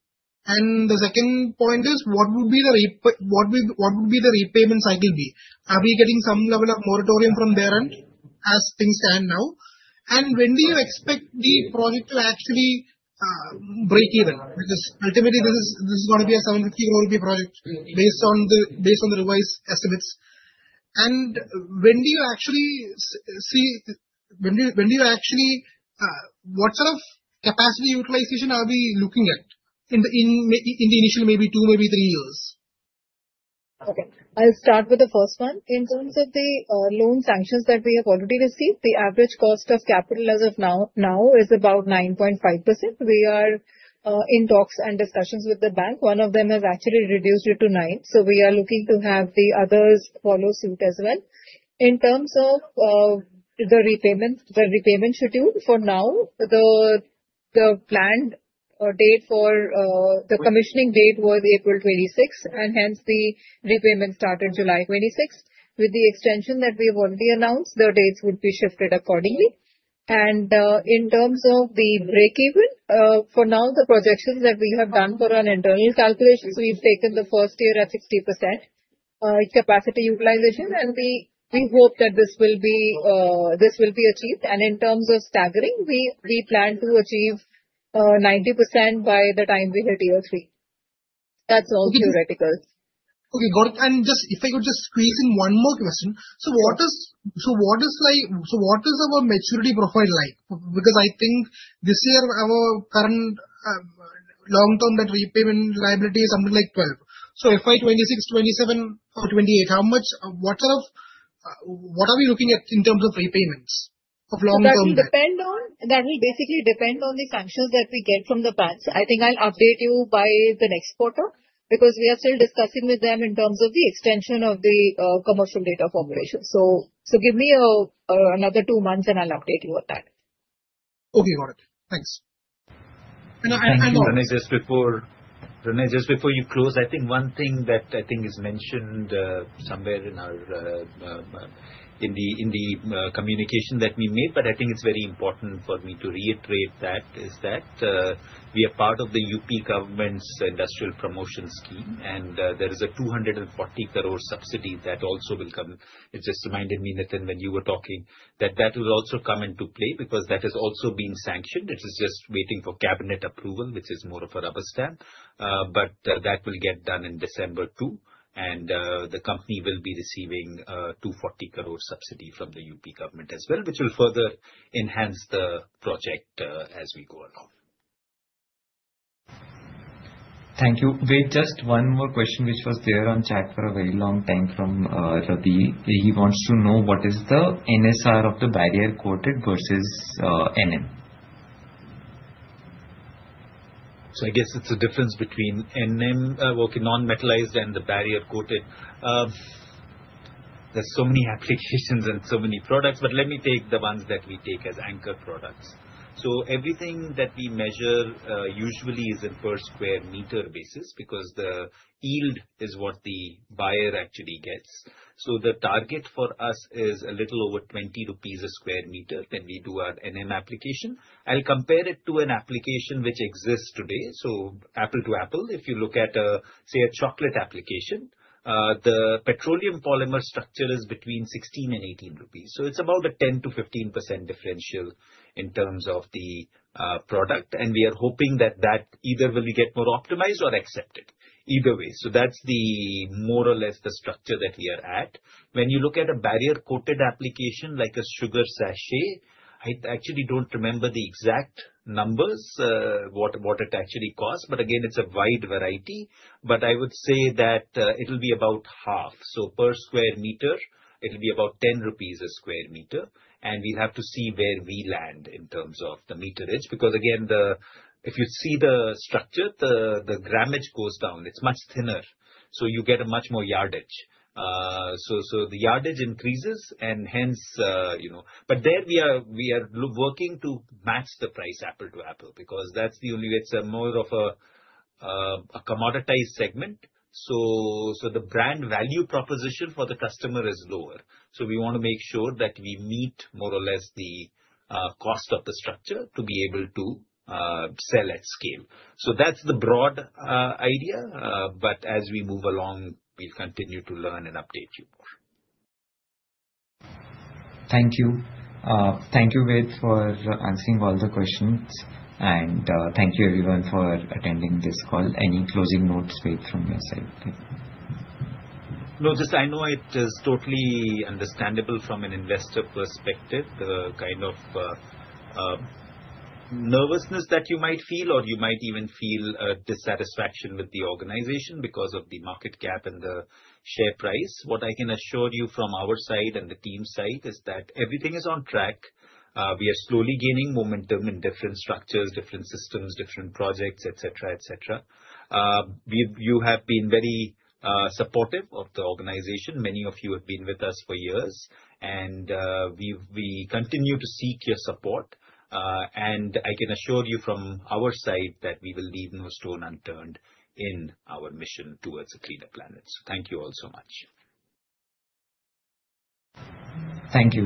Speaker 4: And the second point is, what would be the rep, what would, what would be the repayment cycle be? Are we getting some level of moratorium from their end as things stand now? And when do you expect the project to actually, break even? Because ultimately this is, this is gonna be a 750 crore rupee project based on the, based on the revised estimates. When do you actually see what sort of capacity utilization are we looking at in the initial, maybe two, maybe three years? Okay. I'll start with the first one. In terms of the loan sanctions that we have already received, the average cost of capital as of now is about 9.5%. We are in talks and discussions with the bank. One of them has actually reduced it to nine. So we are looking to have the others follow suit as well. In terms of the repayment schedule for now, the planned date for the commissioning date was April 26th, and hence the repayment started July 26th. With the extension that we have already announced, the dates would be shifted accordingly. In terms of the breakeven, for now, the projections that we have done for our internal calculations, we've taken the first year at 60% capacity utilization, and we hope that this will be achieved. In terms of staggering, we plan to achieve 90% by the time we hit year three. That's all theoretical. Okay, got it. And just if I could squeeze in one more question. So what is our maturity profile like? Because I think this year our current long-term that repayment liability is something like 12. So FY 2026, 2027, or 2028, how much, what sort of are we looking at in terms of repayments of long-term debt? That will basically depend on the sanctions that we get from the banks. I think I'll update you by the next quarter because we are still discussing with them in terms of the extension of the commercial data formulation, so give me another two months and I'll update you on that. Okay, got it. Thanks.
Speaker 2: Ranjeet, just before you close, I think one thing that I think is mentioned somewhere in our communication that we made, but I think it's very important for me to reiterate that we are part of the UP government's industrial promotion scheme, and there is an 240 crore subsidy that also will come. It just reminded me, Nitin, when you were talking that that will also come into play because that is also being sanctioned. It is just waiting for cabinet approval, which is more of a rubber stamp. That will get done in December too. The company will be receiving 240 crore subsidy from the UP government as well, which will further enhance the project as we go along. Thank you. Wait, just one more question, which was there on chat for a very long time from Ravi. He wants to know what is the NSR of the barrier-coated versus NM? So I guess it's a difference between NM working non-metallized and the barrier-coated. There are so many applications and so many products, but let me take the ones that we take as anchor products. Everything that we measure usually is on a per sq m basis because the yield is what the buyer actually gets. The target for us is a little over 20 rupees/sq m when we do our NM application. I'll compare it to an application which exists today. Apple to apple, if you look at a, say, a chocolate application, the petroleum polymer structure is between 16 and 18 rupees. It's about a 10%-15% differential in terms of the product. We are hoping that that either will get more optimized or accepted either way. That's more or less the structure that we are at. When you look at a barrier-coated application like a sugar sachet, I actually don't remember the exact numbers, what, what it actually costs, but again, it's a wide variety. But I would say that, it'll be about half. So per square meter, it'll be about 10 rupees a square meter. And we'll have to see where we land in terms of the meterage because again, the, if you see the structure, the grammage goes down. It's much thinner. So you get a much more yardage. So the yardage increases and hence, you know, but there we are, we are working to match the price apple to apple because that's the only, it's a more of a, a commoditized segment. So the brand value proposition for the customer is lower. So we wanna make sure that we meet more or less the cost of the structure to be able to sell at scale. So that's the broad idea. But as we move along, we'll continue to learn and update you more.
Speaker 1: Thank you. Thank you, Ved, for answering all the questions. And, thank you everyone for attending this call. Any closing notes, Ved, from your side?
Speaker 2: No, just I know it is totally understandable from an investor perspective, the kind of nervousness that you might feel or you might even feel a dissatisfaction with the organization because of the market cap and the share price. What I can assure you from our side and the team side is that everything is on track. We are slowly gaining momentum in different structures, different systems, different projects, et cetera, et cetera. We, you have been very supportive of the organization. Many of you have been with us for years, and we continue to seek your support, and I can assure you from our side that we will leave no stone unturned in our mission towards a cleaner planet, so thank you all so much.
Speaker 1: Thank you.